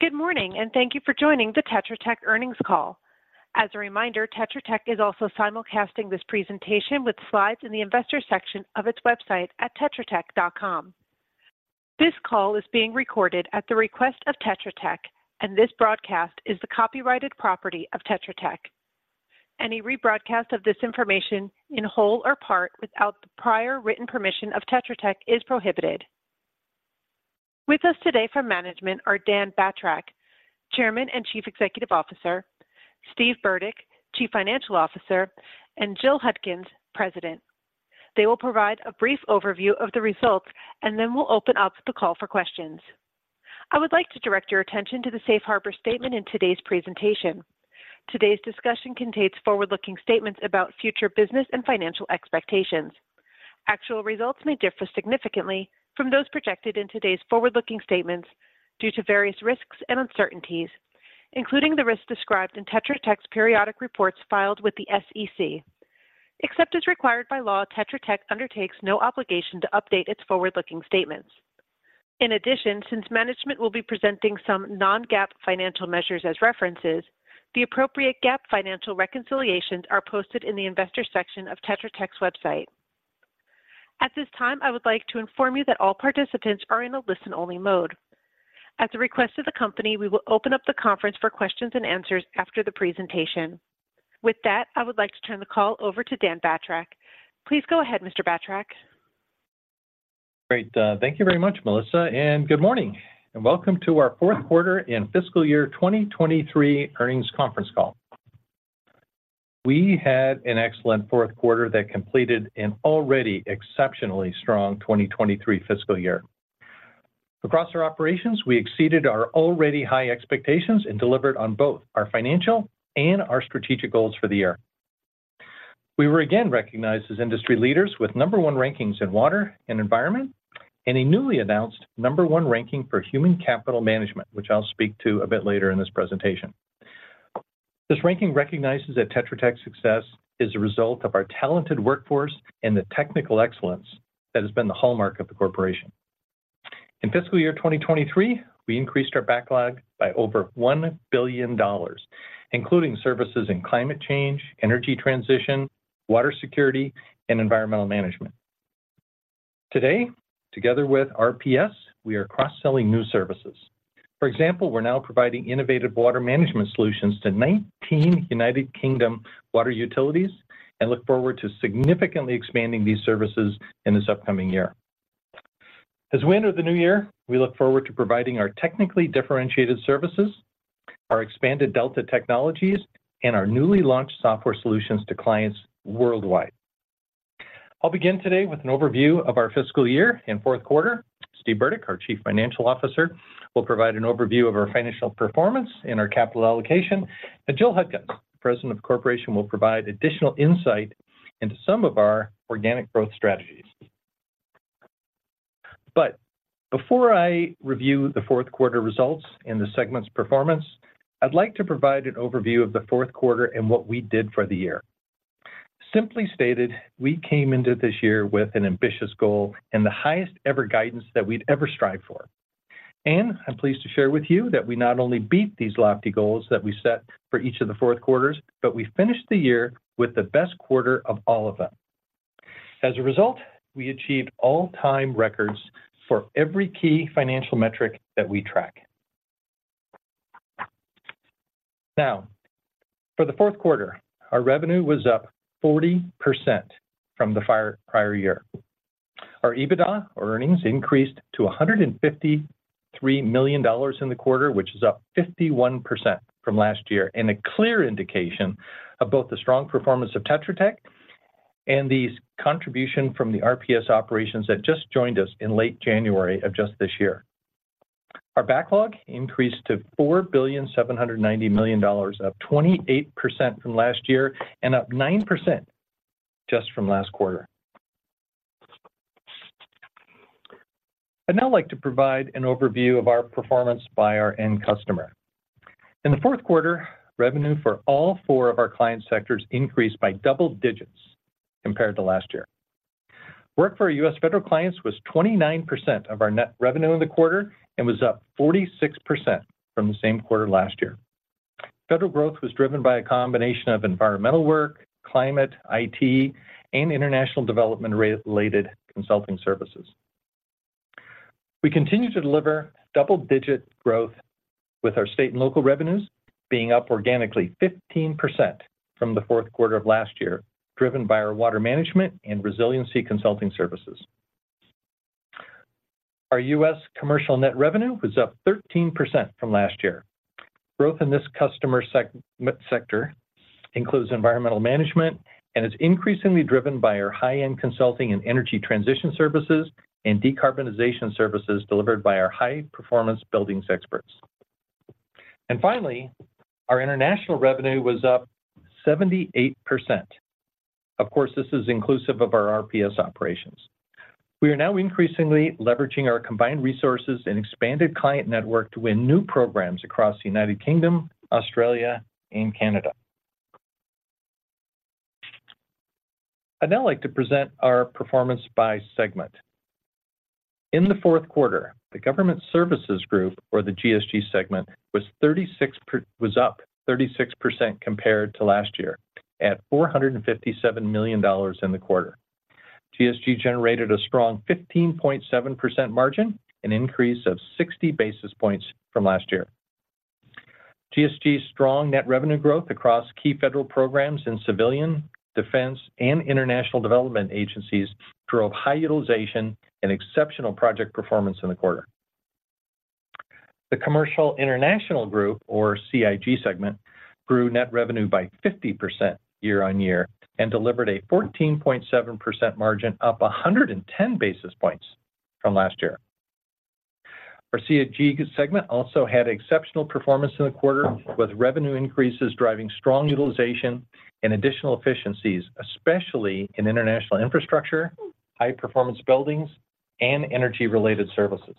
Good morning, and thank you for joining the Tetra Tech earnings call. As a reminder, Tetra Tech is also simulcasting this presentation with slides in the Investors section of its website at tetratech.com. This call is being recorded at the request of Tetra Tech, and this broadcast is the copyrighted property of Tetra Tech. Any rebroadcast of this information in whole or part without the prior written permission of Tetra Tech is prohibited. With us today from management are Dan Batrack, Chairman and Chief Executive Officer, Steve Burdick, Chief Financial Officer, and Jill Hudkins, President. They will provide a brief overview of the results, and then we'll open up the call for questions. I would like to direct your attention to the Safe Harbor statement in today's presentation. Today's discussion contains forward-looking statements about future business and financial expectations. Actual results may differ significantly from those projected in today's forward-looking statements due to various risks and uncertainties, including the risks described in Tetra Tech's periodic reports filed with the SEC. Except as required by law, Tetra Tech undertakes no obligation to update its forward-looking statements. In addition, since management will be presenting some non-GAAP financial measures as references, the appropriate GAAP financial reconciliations are posted in the Investors section of Tetra Tech's website. At this time, I would like to inform you that all participants are in a listen-only mode. At the request of the company, we will open up the conference for questions and answers after the presentation. With that, I would like to turn the call over to Dan Batrack. Please go ahead, Mr. Batrack. Great. Thank you very much, Melissa, and good morning, and welcome to our fourth quarter and fiscal year 2023 earnings conference call. We had an excellent fourth quarter that completed an already exceptionally strong 2023 fiscal year. Across our operations, we exceeded our already high expectations and delivered on both our financial and our strategic goals for the year. We were again recognized as industry leaders with number one rankings in water and environment, and a newly announced number one ranking for human capital management, which I'll speak to a bit later in this presentation. This ranking recognizes that Tetra Tech's success is a result of our talented workforce and the technical excellence that has been the hallmark of the corporation. In fiscal year 2023, we increased our backlog by over $1 billion, including services in climate change, energy transition, water security, and environmental management. Today, together with RPS, we are cross-selling new services. For example, we're now providing innovative water management solutions to 19 United Kingdom water utilities and look forward to significantly expanding these services in this upcoming year. As we enter the new year, we look forward to providing our technically differentiated services, our expanded Delta technologies, and our newly launched software solutions to clients worldwide. I'll begin today with an overview of our fiscal year and fourth quarter. Steve Burdick, our Chief Financial Officer, will provide an overview of our financial performance and our capital allocation, and Jill Hudkins, President of the corporation, will provide additional insight into some of our organic growth strategies. Before I review the fourth quarter results and the segment's performance, I'd like to provide an overview of the fourth quarter and what we did for the year. Simply stated, we came into this year with an ambitious goal and the highest ever guidance that we'd ever strived for. I'm pleased to share with you that we not only beat these lofty goals that we set for each of the fourth quarters, but we finished the year with the best quarter of all of them. As a result, we achieved all-time records for every key financial metric that we track. Now, for the fourth quarter, our revenue was up 40% from the prior year. Our EBITDA, or earnings, increased to $153 million in the quarter, which is up 51% from last year, and a clear indication of both the strong performance of Tetra Tech and the contribution from the RPS operations that just joined us in late January of just this year. Our backlog increased to $4.79 billion, up 28% from last year and up 9% just from last quarter. I'd now like to provide an overview of our performance by our end customer. In the fourth quarter, revenue for all four of our client sectors increased by double digits compared to last year. Work for our U.S. federal clients was 29% of our net revenue in the quarter and was up 46% from the same quarter last year. Federal growth was driven by a combination of environmental work, climate, IT, and international development-related consulting services. We continue to deliver double-digit growth, with our state and local revenues being up organically 15% from the fourth quarter of last year, driven by our water management and resiliency consulting services. Our U.S. commercial net revenue was up 13% from last year. Growth in this customer sector includes environmental management and is increasingly driven by our high-end consulting and energy transition services and decarbonization services delivered by our high-performance buildings experts. Finally, our international revenue was up 78%. Of course, this is inclusive of our RPS operations. We are now increasingly leveraging our combined resources and expanded client network to win new programs across the United Kingdom, Australia, and Canada.... I'd now like to present our performance by segment. In the fourth quarter, the Government Services Group, or the GSG segment, was up 36% compared to last year, at $457 million in the quarter. GSG generated a strong 15.7% margin, an increase of 60 basis points from last year. GSG's strong net revenue growth across key federal programs in civilian, defense, and international development agencies drove high utilization and exceptional project performance in the quarter. The Commercial International Group, or CIG segment, grew net revenue by 50% year-on-year and delivered a 14.7% margin, up 110 basis points from last year. Our CIG segment also had exceptional performance in the quarter, with revenue increases driving strong utilization and additional efficiencies, especially in international infrastructure, high-performance buildings, and energy-related services.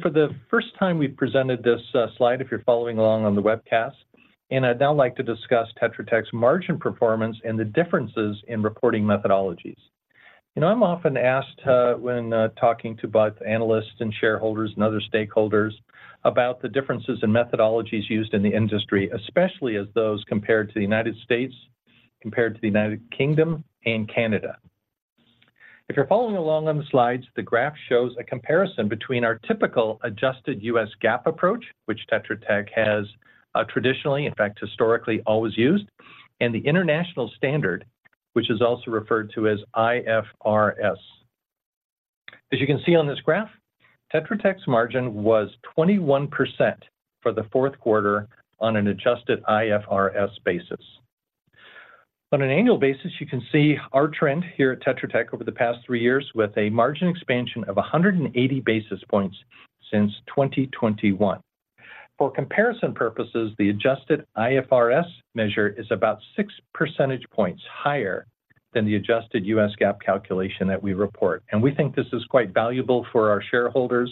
For the first time, we've presented this slide, if you're following along on the webcast, and I'd now like to discuss Tetra Tech's margin performance and the differences in reporting methodologies. You know, I'm often asked when talking to both analysts and shareholders and other stakeholders about the differences in methodologies used in the industry, especially as those compared to the United States, compared to the United Kingdom and Canada. If you're following along on the slides, the graph shows a comparison between our typical adjusted U.S. GAAP approach, which Tetra Tech has traditionally, in fact, historically, always used, and the international standard, which is also referred to as IFRS. As you can see on this graph, Tetra Tech's margin was 21% for the fourth quarter on an adjusted IFRS basis. On an annual basis, you can see our trend here at Tetra Tech over the past three years, with a margin expansion of 180 basis points since 2021. For comparison purposes, the adjusted IFRS measure is about six percentage points higher than the adjusted U.S. GAAP calculation that we report, and we think this is quite valuable for our shareholders,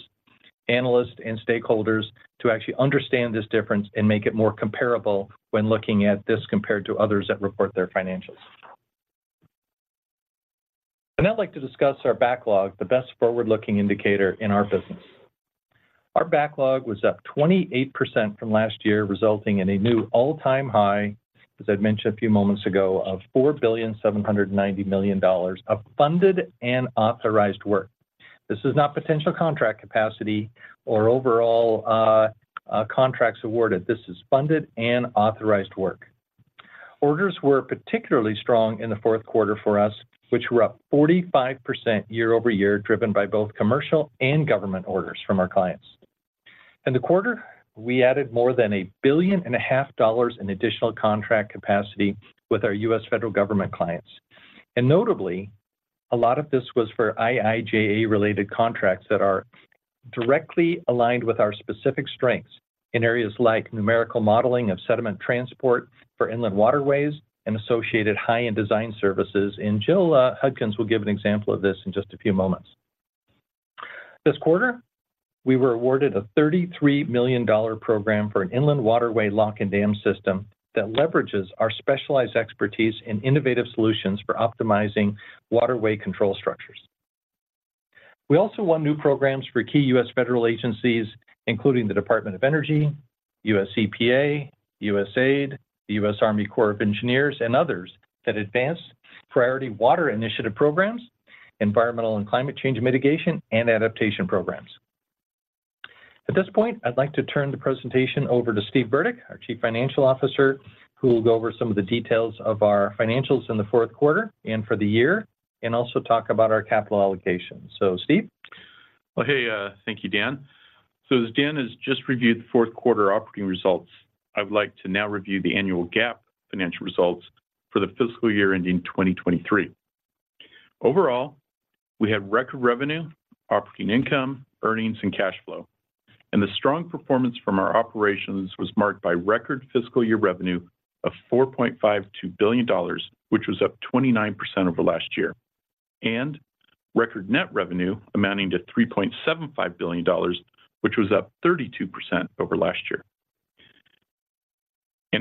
analysts, and stakeholders to actually understand this difference and make it more comparable when looking at this compared to others that report their financials. I'd now like to discuss our backlog, the best forward-looking indicator in our business. Our backlog was up 28% from last year, resulting in a new all-time high, as I mentioned a few moments ago, of $4.79 billion of funded and authorized work. This is not potential contract capacity or overall, contracts awarded. This is funded and authorized work. Orders were particularly strong in the fourth quarter for us, which were up 45% year-over-year, driven by both commercial and government orders from our clients. In the quarter, we added more than $1.5 billion in additional contract capacity with our U.S. federal government clients. And notably, a lot of this was for IIJA-related contracts that are directly aligned with our specific strengths in areas like numerical modeling of sediment transport for inland waterways and associated high-end design services. And Jill Hudkins will give an example of this in just a few moments. This quarter, we were awarded a $33 million program for an inland waterway lock and dam system that leverages our specialized expertise and innovative solutions for optimizing waterway control structures. We also won new programs for key U.S. federal agencies, including the Department of Energy, U.S. CPA, USAID, the U.S. Army Corp Engineers, and others that advance priority water initiative programs, environmental and climate change mitigation, and adaptation programs. At this point, I'd like to turn the presentation over to Steve Burdick, our Chief Financial Officer, who will go over some of the details of our financials in the fourth quarter and for the year, and also talk about our capital allocation. So Steve? Well, hey, thank you, Dan. As Dan has just reviewed the fourth quarter operating results, I would like to now review the annual GAAP financial results for the fiscal year ending 2023. Overall, we had record revenue, operating income, earnings, and cash flow, and the strong performance from our operations was marked by record fiscal year revenue of $4.52 billion, which was up 29% over last year, and record net revenue amounting to $3.75 billion, which was up 32% over last year.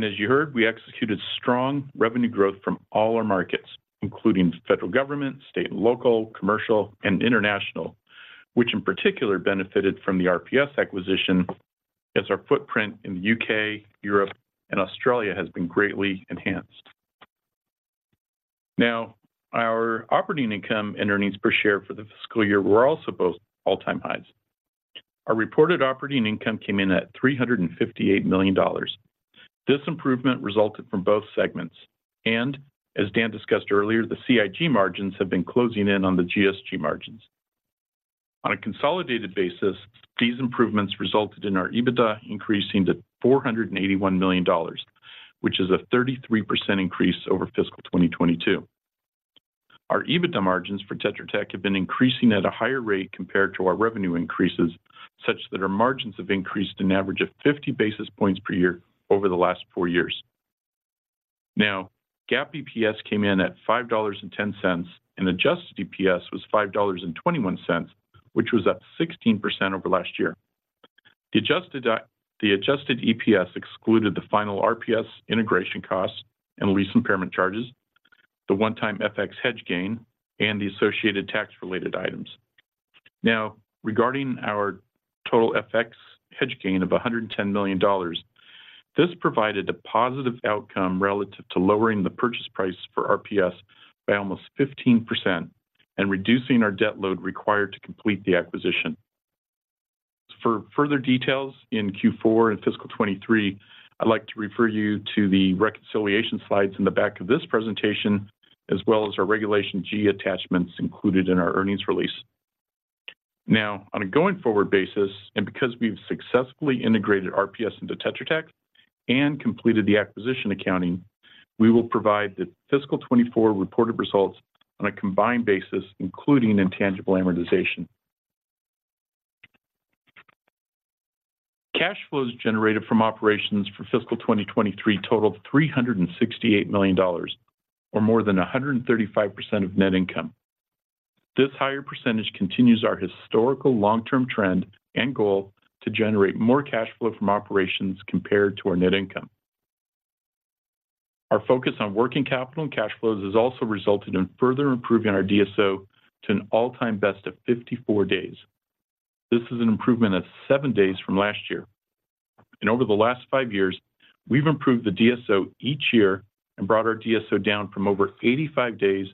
As you heard, we executed strong revenue growth from all our markets, including federal, government, state and local, commercial, and international, which in particular benefited from the RPS acquisition, as our footprint in the U.K., Europe, and Australia has been greatly enhanced. Now, our operating income and earnings per share for the fiscal year were also both all-time highs. Our reported operating income came in at $358 million. This improvement resulted from both segments, and as Dan discussed earlier, the CIG margins have been closing in on the GSG margins. On a consolidated basis, these improvements resulted in our EBITDA increasing to $481 million, which is a 33% increase over fiscal 2022. Our EBITDA margins for Tetra Tech have been increasing at a higher rate compared to our revenue increases, such that our margins have increased an average of 50 basis points per year over the last four years. Now, GAAP EPS came in at $5.10, and adjusted EPS was $5.21, which was up 16% over last year. The adjusted EPS excluded the final RPS integration costs and lease impairment charges, the one-time FX hedge gain, and the associated tax-related items. Now, regarding our total FX hedge gain of $110 million, this provided a positive outcome relative to lowering the purchase price for RPS by almost 15% and reducing our debt load required to complete the acquisition. For further details in Q4 and fiscal 2023, I'd like to refer you to the reconciliation slides in the back of this presentation, as well as our Regulation G attachments included in our earnings release. Now, on a going-forward basis, and because we've successfully integrated RPS into Tetra Tech and completed the acquisition accounting, we will provide the fiscal 2024 reported results on a combined basis, including intangible amortization. Cash flows generated from operations for fiscal 2023 totaled $368 million, or more than 135% of net income. This higher percentage continues our historical long-term trend and goal to generate more cash flow from operations compared to our net income. Our focus on working capital and cash flows has also resulted in further improving our DSO to an all-time best of 54 days. This is an improvement of seven days from last year. Over the last five years, we've improved the DSO each year and brought our DSO down from over 85 days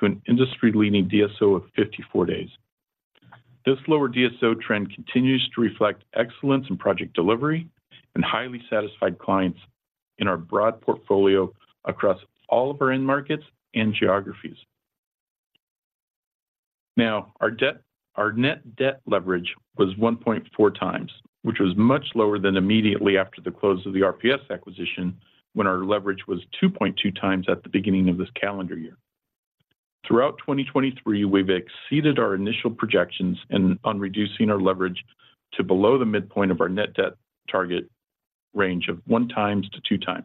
to an industry-leading DSO of 54 days. This lower DSO trend continues to reflect excellence in project delivery and highly satisfied clients in our broad portfolio across all of our end markets and geographies. Now, our debt, our net debt leverage was 1.4x, which was much lower than immediately after the close of the RPS acquisition, when our leverage was 2.2x at the beginning of this calendar year. Throughout 2023, we've exceeded our initial projections and on reducing our leverage to below the midpoint of our net debt target range of 1x-2x.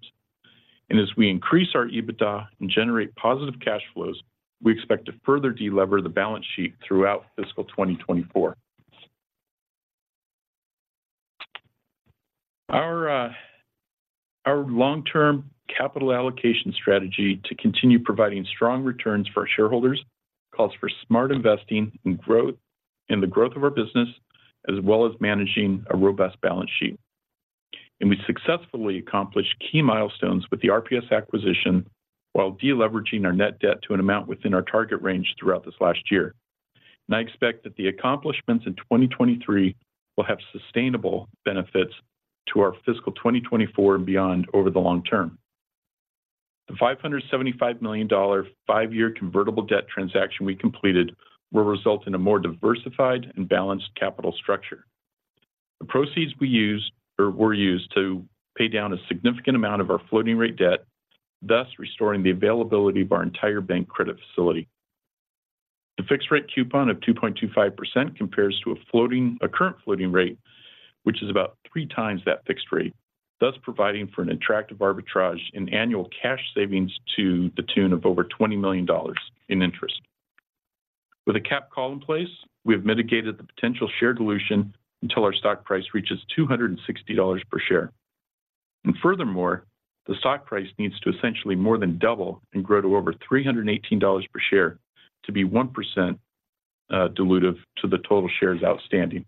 And as we increase our EBITDA and generate positive cash flows, we expect to further delever the balance sheet throughout fiscal 2024. Our, our long-term capital allocation strategy to continue providing strong returns for our shareholders calls for smart investing and growth, in the growth of our business, as well as managing a robust balance sheet. We successfully accomplished key milestones with the RPS acquisition while deleveraging our net debt to an amount within our target range throughout this last year. I expect that the accomplishments in 2023 will have sustainable benefits to our fiscal 2024 and beyond over the long term. The $575 million five-year convertible debt transaction we completed will result in a more diversified and balanced capital structure. The proceeds we used... or were used to pay down a significant amount of our floating rate debt, thus restoring the availability of our entire bank credit facility. The fixed-rate coupon of 2.25% compares to a floating, a current floating rate, which is about 3x that fixed rate, thus providing for an attractive arbitrage in annual cash savings to the tune of over $20 million in interest. With a cap call in place, we have mitigated the potential share dilution until our stock price reaches $260 per share. Furthermore, the stock price needs to essentially more than double and grow to over $318 per share to be 1%, dilutive to the total shares outstanding.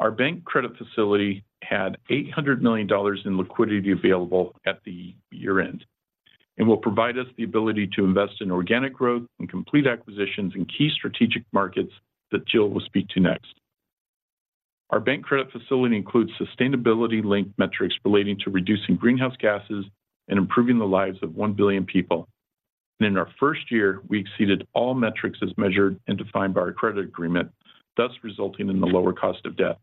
Our bank credit facility had $800 million in liquidity available at the year-end and will provide us the ability to invest in organic growth and complete acquisitions in key strategic markets that Jill will speak to next. Our bank credit facility includes sustainability-linked metrics relating to reducing greenhouse gases and improving the lives of 1 billion people. In our first year, we exceeded all metrics as measured and defined by our credit agreement, thus resulting in the lower cost of debt.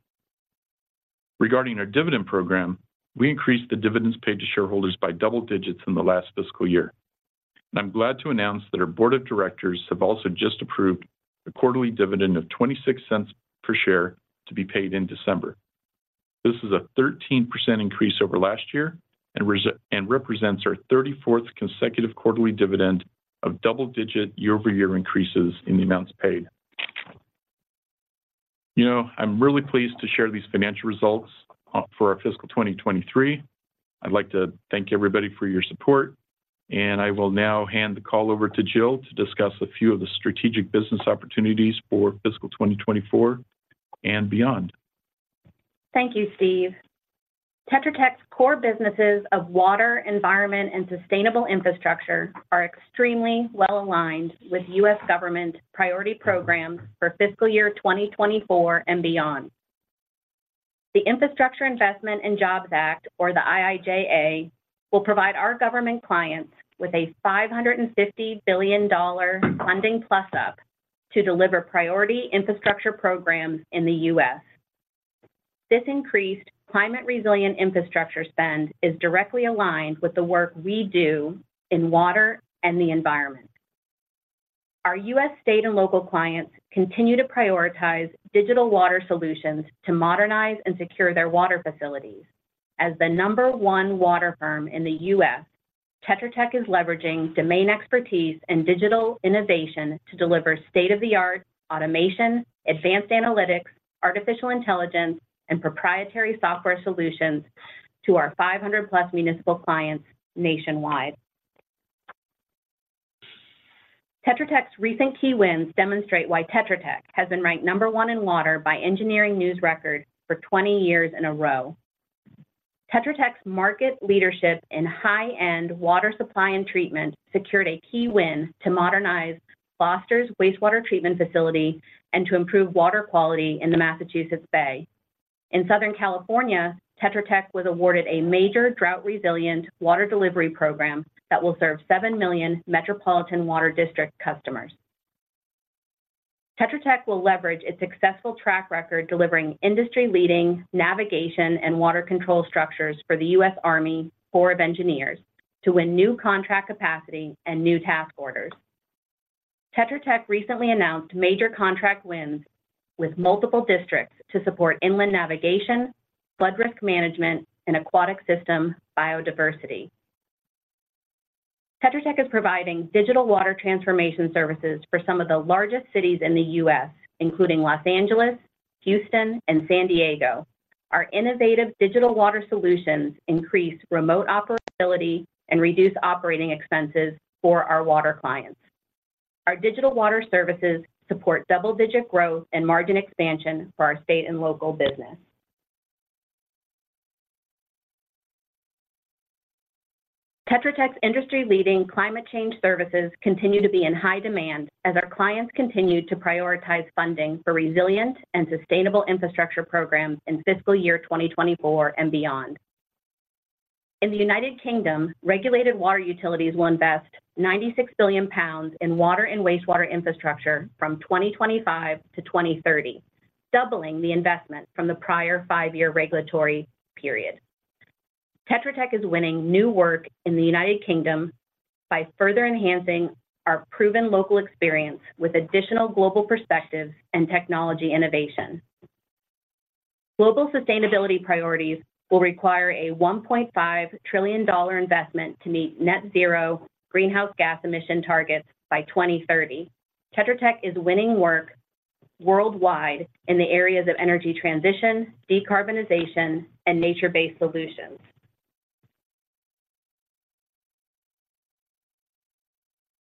Regarding our dividend program, we increased the dividends paid to shareholders by double digits in the last fiscal year. And I'm glad to announce that our board of directors have also just approved a quarterly dividend of $0.26 per share to be paid in December. This is a 13% increase over last year and represents our 34th consecutive quarterly dividend of double-digit year-over-year increases in the amounts paid. You know, I'm really pleased to share these financial results, for our fiscal 2023. I'd like to thank everybody for your support, and I will now hand the call over to Jill to discuss a few of the strategic business opportunities for fiscal 2024 and beyond. Thank you, Steve. Tetra Tech's core businesses of water, environment, and sustainable infrastructure are extremely well-aligned with U.S. government priority programs for fiscal year 2024 and beyond. The Infrastructure Investment and Jobs Act, or the IIJA, will provide our government clients with a $550 billion funding plus-up to deliver priority infrastructure programs in the U.S. This increased climate-resilient infrastructure spend is directly aligned with the work we do in water and the environment. Our U.S. state and local clients continue to prioritize digital water solutions to modernize and secure their water facilities. As the number one water firm in the U.S., Tetra Tech is leveraging domain expertise and digital innovation to deliver state-of-the-art automation, advanced analytics, artificial intelligence, and proprietary software solutions to our 500+ municipal clients nationwide. Tetra Tech's recent key wins demonstrate why Tetra Tech has been ranked number one in water by Engineering News-Record for 20 years in a row. Tetra Tech's market leadership in high-end water supply and treatment secured a key win to modernize Foster's wastewater treatment facility and to improve water quality in the Massachusetts Bay. In Southern California, Tetra Tech was awarded a major drought resilient water delivery program that will serve 7 million Metropolitan Water District customers. Tetra Tech will leverage its successful track record, delivering industry-leading navigation and water control structures for the U.S. Army Corps of Engineers to win new contract capacity and new task orders. Tetra Tech recently announced major contract wins with multiple districts to support inland navigation, flood risk management, and aquatic system biodiversity. Tetra Tech is providing digital water transformation services for some of the largest cities in the U.S., including Los Angeles, Houston, and San Diego. Our innovative digital water solutions increase remote operability and reduce operating expenses for our water clients. Our digital water services support double-digit growth and margin expansion for our state and local business. Tetra Tech's industry-leading climate change services continue to be in high demand as our clients continue to prioritize funding for resilient and sustainable infrastructure programs in fiscal year 2024 and beyond. In the United Kingdom, regulated water utilities will invest 96 billion pounds in water and wastewater infrastructure from 2025 to 2030, doubling the investment from the prior five-year regulatory period. Tetra Tech is winning new work in the United Kingdom by further enhancing our proven local experience with additional global perspectives and technology innovation. Global sustainability priorities will require a $1.5 trillion investment to meet net zero greenhouse gas emission targets by 2030. Tetra Tech is winning work worldwide in the areas of energy transition, decarbonization, and nature-based solutions.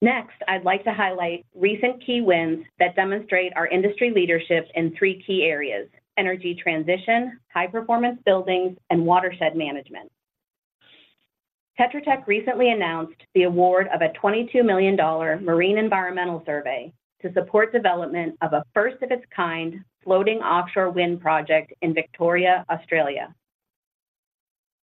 Next, I'd like to highlight recent key wins that demonstrate our industry leadership in 3 key areas: energy transition, high-performance buildings, and watershed management. Tetra Tech recently announced the award of a $22 million marine environmental survey to support development of a first-of-its-kind floating offshore wind project in Victoria, Australia.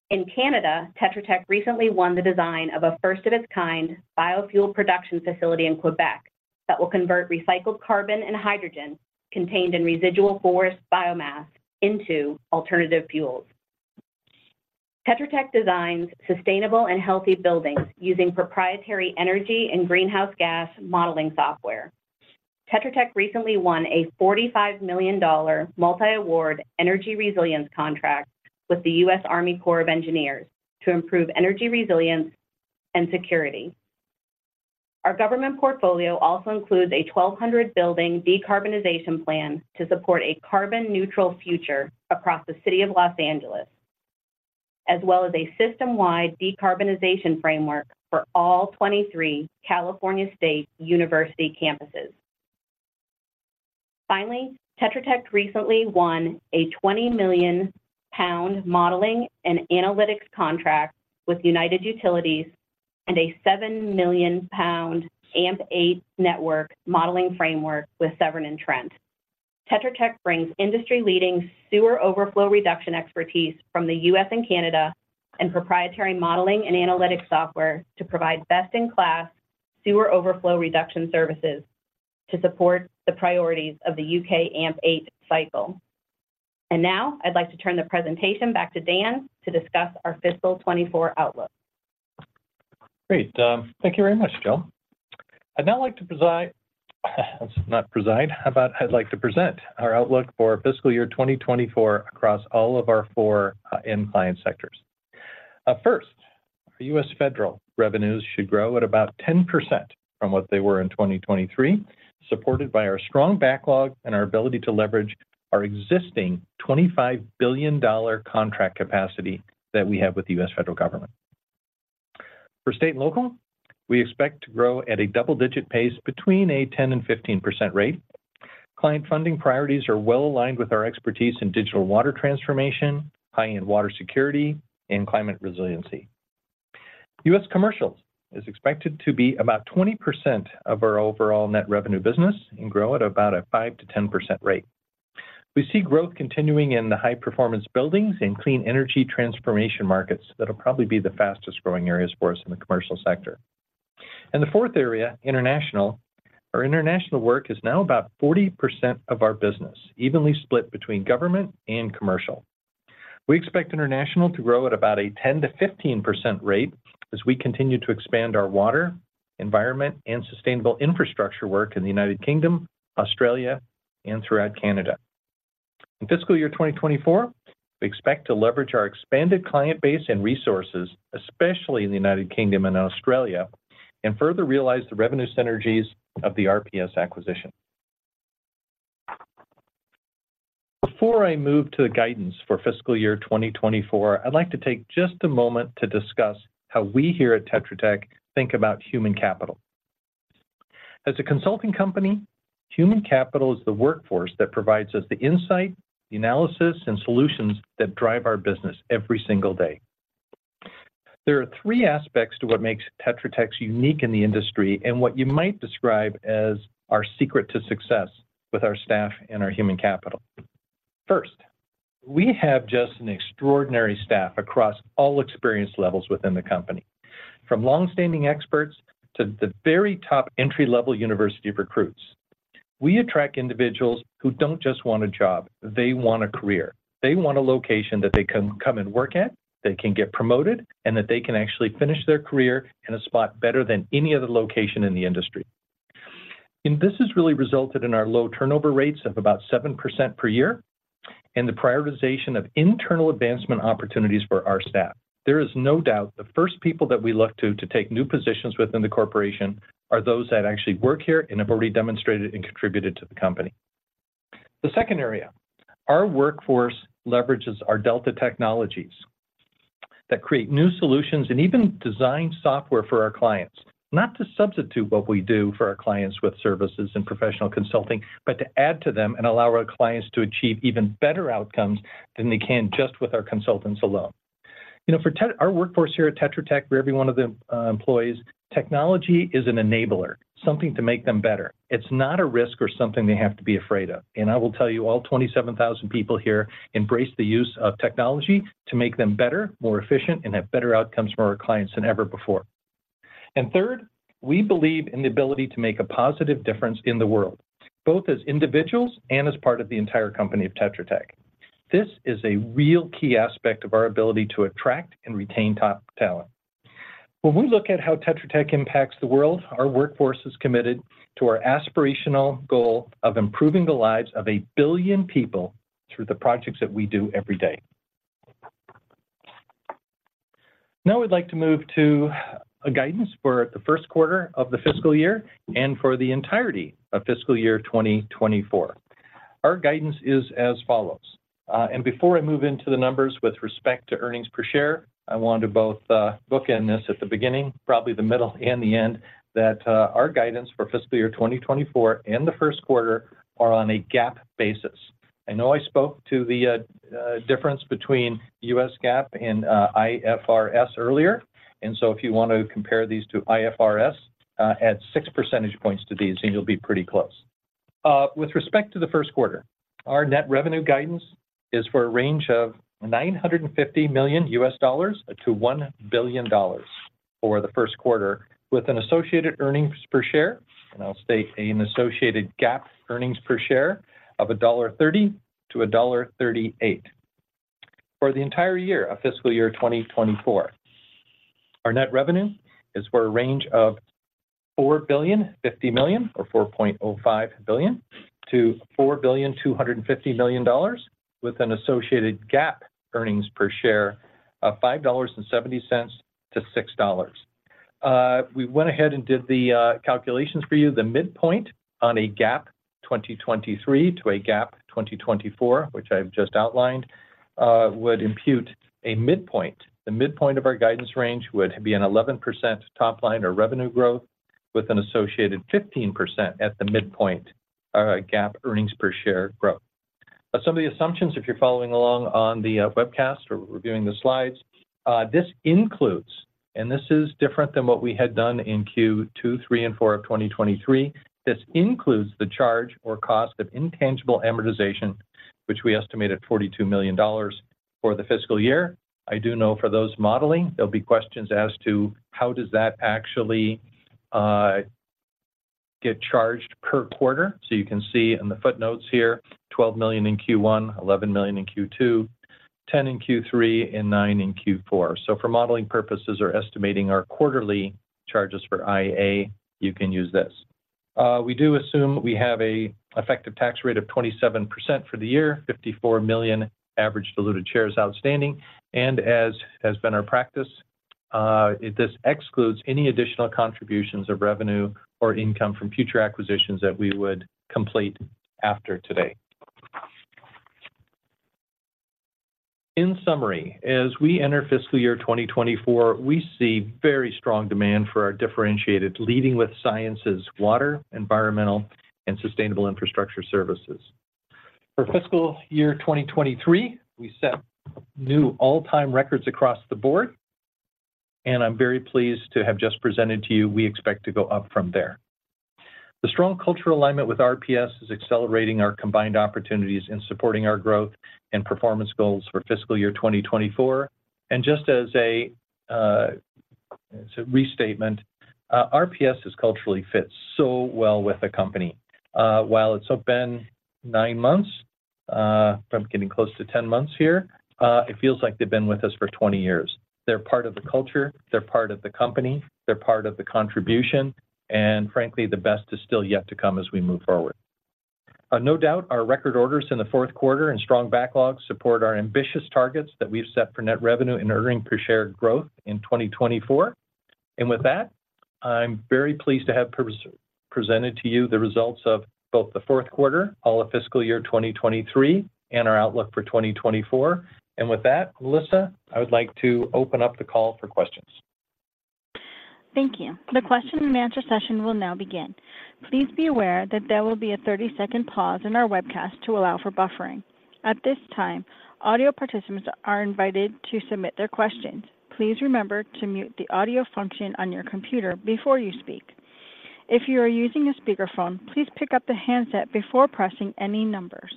In Canada, Tetra Tech recently won the design of a first-of-its-kind biofuel production facility in Quebec, that will convert recycled carbon and hydrogen contained in residual forest biomass into alternative fuels. Tetra Tech designs sustainable and healthy buildings using proprietary energy and greenhouse gas modeling software. Tetra Tech recently won a $45 million multi-award energy resilience contract with the U.S. Army Corps of Engineers to improve energy resilience and security. Our government portfolio also includes a 1,200-building decarbonization plan to support a carbon-neutral future across the City of Los Angeles, as well as a system-wide decarbonization framework for all 23 California State University campuses. Finally, Tetra Tech recently won a 20 million pound modeling and analytics contract with United Utilities and a 7 million pound AMP8 network modeling framework with Severn Trent. Tetra Tech brings industry-leading sewer overflow reduction expertise from the U.S. and Canada, and proprietary modeling and analytic software to provide best-in-class sewer overflow reduction services to support the priorities of the U.K. AMP8 cycle. And now, I'd like to turn the presentation back to Dan to discuss our fiscal 2024 outlook. Great, thank you very much, Jill. I'd now like to present our outlook for fiscal year 2024 across all of our four end client sectors. First, our U.S. federal revenues should grow at about 10% from what they were in 2023, supported by our strong backlog and our ability to leverage our existing $25 billion contract capacity that we have with the U.S. federal government. For state and local, we expect to grow at a double-digit pace between a 10% and 15% rate. Client funding priorities are well aligned with our expertise in digital water transformation, high-end water security, and climate resiliency. U.S. commercial is expected to be about 20% of our overall net revenue business and grow at about a 5%-10% rate. We see growth continuing in the high-performance buildings and clean energy transformation markets. That'll probably be the fastest-growing areas for us in the commercial sector. And the fourth area, international. Our international work is now about 40% of our business, evenly split between government and commercial. We expect international to grow at about a 10%-15% rate as we continue to expand our water, environment, and sustainable infrastructure work in the United Kingdom, Australia, and throughout Canada.... In fiscal year 2024, we expect to leverage our expanded client base and resources, especially in the United Kingdom and Australia, and further realize the revenue synergies of the RPS acquisition. Before I move to the guidance for fiscal year 2024, I'd like to take just a moment to discuss how we here at Tetra Tech think about human capital. As a consulting company, human capital is the workforce that provides us the insight, the analysis, and solutions that drive our business every single day. There are three aspects to what makes Tetra Tech unique in the industry and what you might describe as our secret to success with our staff and our human capital. First, we have just an extraordinary staff across all experience levels within the company, from long-standing experts to the very top entry-level university recruits. We attract individuals who don't just want a job, they want a career. They want a location that they can come and work at, they can get promoted, and that they can actually finish their career in a spot better than any other location in the industry. This has really resulted in our low turnover rates of about 7% per year and the prioritization of internal advancement opportunities for our staff. There is no doubt the first people that we look to, to take new positions within the corporation are those that actually work here and have already demonstrated and contributed to the company. The second area, our workforce leverages our Delta technologies that create new solutions and even design software for our clients. Not to substitute what we do for our clients with services and professional consulting, but to add to them and allow our clients to achieve even better outcomes than they can just with our consultants alone. You know, for our workforce here at Tetra Tech, for every one of the employees, technology is an enabler, something to make them better. It's not a risk or something they have to be afraid of. And I will tell you, all 27,000 people here embrace the use of technology to make them better, more efficient, and have better outcomes for our clients than ever before. And third, we believe in the ability to make a positive difference in the world, both as individuals and as part of the entire company of Tetra Tech. This is a real key aspect of our ability to attract and retain top talent. When we look at how Tetra Tech impacts the world, our workforce is committed to our aspirational goal of improving the lives of a billion people through the projects that we do every day. Now, we'd like to move to a guidance for the first quarter of the fiscal year and for the entirety of fiscal year 2024. Our guidance is as follows. Before I move into the numbers with respect to earnings per share, I want to both, bookend this at the beginning, probably the middle and the end, that, our guidance for fiscal year 2024 and the first quarter are on a GAAP basis. I know I spoke to the, difference between U.S. GAAP and, IFRS earlier, and so if you want to compare these to IFRS, add six percentage points to these and you'll be pretty close. With respect to the first quarter, our net revenue guidance is for a range of $950 million-$1 billion for the first quarter, with an associated earnings per share, and I'll state an associated GAAP earnings per share of $1.30-$1.38. For the entire year of fiscal year 2024, our net revenue is for a range of $4.05 billion-$4.25 billion with an associated GAAP earnings per share of $5.70-$6.. We went ahead and did the calculations for you. The midpoint on a GAAP 2023 to a GAAP 2024, which I've just outlined, would impute a midpoint. The midpoint of our guidance range would be an 11% top line or revenue growth, with an associated 15% at the midpoint GAAP earnings per share growth. But some of the assumptions, if you're following along on the webcast or reviewing the slides, this includes, and this is different than what we had done in Q2, Q3, and Q4 of 2023. This includes the charge or cost of intangible amortization, which we estimate at $42 million for the fiscal year. I do know for those modeling, there'll be questions as to how does that actually get charged per quarter. So you can see in the footnotes here, $12 million in Q1, $11 million in Q2, 10 in Q3, and 9 in Q4. So for modeling purposes or estimating our quarterly charges for IA, you can use this. We do assume we have an effective tax rate of 27% for the year, 54 million average diluted shares outstanding. As has been our practice, this excludes any additional contributions of revenue or income from future acquisitions that we would complete after today. In summary, as we enter fiscal year 2024, we see very strong demand for our differentiated Leading with Science, water, environmental, and sustainable infrastructure services. For fiscal year 2023, we set new all-time records across the board, and I'm very pleased to have just presented to you. We expect to go up from there. The strong cultural alignment with RPS is accelerating our combined opportunities in supporting our growth and performance goals for fiscal year 2024. Just as a restatement, RPS has culturally fit so well with the company. While it's been nine months, from getting close to 10 months here, it feels like they've been with us for 20 years. They're part of the culture, they're part of the company, they're part of the contribution, and frankly, the best is still yet to come as we move forward... No doubt our record orders in the fourth quarter and strong backlogs support our ambitious targets that we've set for net revenue and earnings per share growth in 2024. With that, I'm very pleased to have presented to you the results of both the fourth quarter, all of fiscal year 2023, and our outlook for 2024. With that, Melissa, I would like to open up the call for questions. Thank you. The question and answer session will now begin. Please be aware that there will be a 30-second pause in our webcast to allow for buffering. At this time, audio participants are invited to submit their questions. Please remember to mute the audio function on your computer before you speak. If you are using a speakerphone, please pick up the handset before pressing any numbers.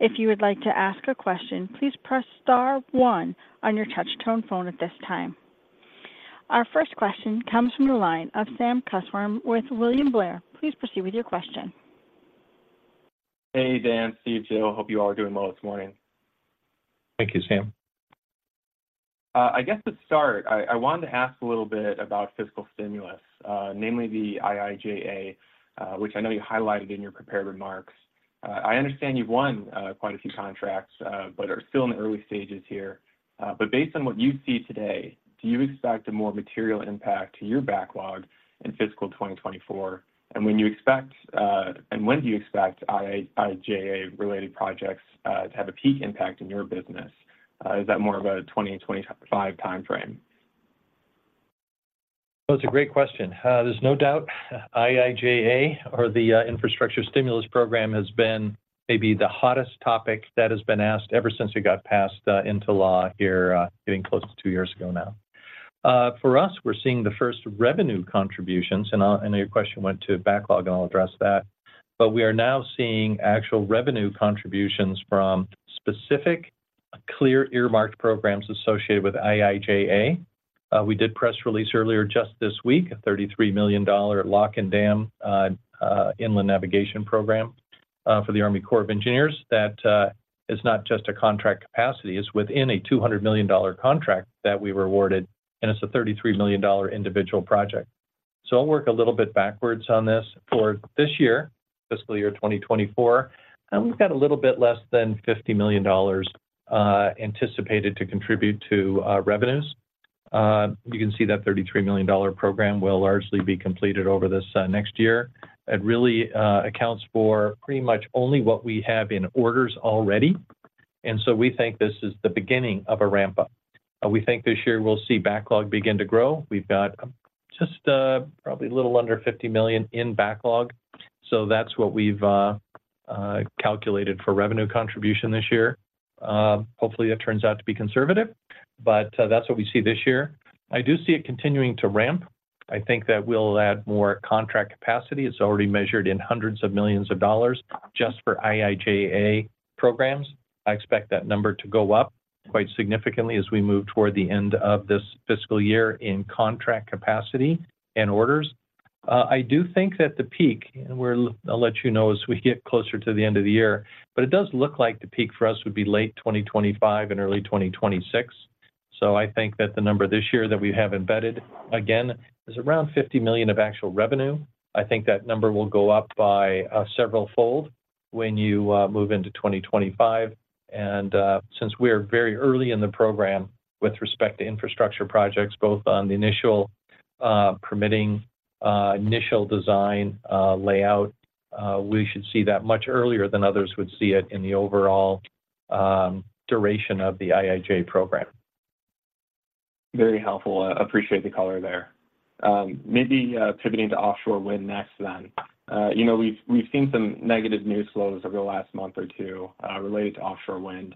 If you would like to ask a question, please press star one on your touch tone phone at this time. Our first question comes from the line of Sam Kusswurm with William Blair. Please proceed with your question. Hey, Dan, Steve, Jill. Hope you all are doing well this morning. Thank you, Sam. I guess to start, I wanted to ask a little bit about fiscal stimulus, namely the IIJA, which I know you highlighted in your prepared remarks. I understand you've won quite a few contracts, but are still in the early stages here. But based on what you see today, do you expect a more material impact to your backlog in fiscal 2024? And when you expect, and when do you expect IIJA-related projects to have a peak impact in your business? Is that more of a 2025 time frame? Well, it's a great question. There's no doubt, IIJA or the infrastructure stimulus program has been maybe the hottest topic that has been asked ever since it got passed into law here, getting close to two years ago now. For us, we're seeing the first revenue contributions, and I, I know your question went to backlog, and I'll address that. But we are now seeing actual revenue contributions from specific, clear earmarked programs associated with IIJA. We did press release earlier, just this week, a $33 million lock and dam inland navigation program for the U.S. Army Corps of Engineers. That is not just a contract capacity, it's within a $200 million contract that we were awarded, and it's a $33 million individual project. So I'll work a little bit backwards on this. For this year, fiscal year 2024, we've got a little bit less than $50 million anticipated to contribute to revenues. You can see that $33 million program will largely be completed over this next year. It really accounts for pretty much only what we have in orders already, and so we think this is the beginning of a ramp-up. We think this year we'll see backlog begin to grow. We've got just probably a little under $50 million in backlog, so that's what we've calculated for revenue contribution this year. Hopefully, that turns out to be conservative, but that's what we see this year. I do see it continuing to ramp. I think that we'll add more contract capacity. It's already measured in hundreds of millions of dollars just for IIJA programs. I expect that number to go up quite significantly as we move toward the end of this fiscal year in contract capacity and orders. I do think that the peak. I'll let you know as we get closer to the end of the year, but it does look like the peak for us would be late 2025 and early 2026. So I think that the number this year that we have embedded, again, is around $50 million of actual revenue. I think that number will go up by several fold when you move into 2025. Since we are very early in the program with respect to infrastructure projects, both on the initial permitting, initial design, layout, we should see that much earlier than others would see it in the overall duration of the IIJA program. Very helpful. Appreciate the color there. Maybe, pivoting to offshore wind next then. You know, we've, we've seen some negative news flows over the last month or two, related to offshore wind,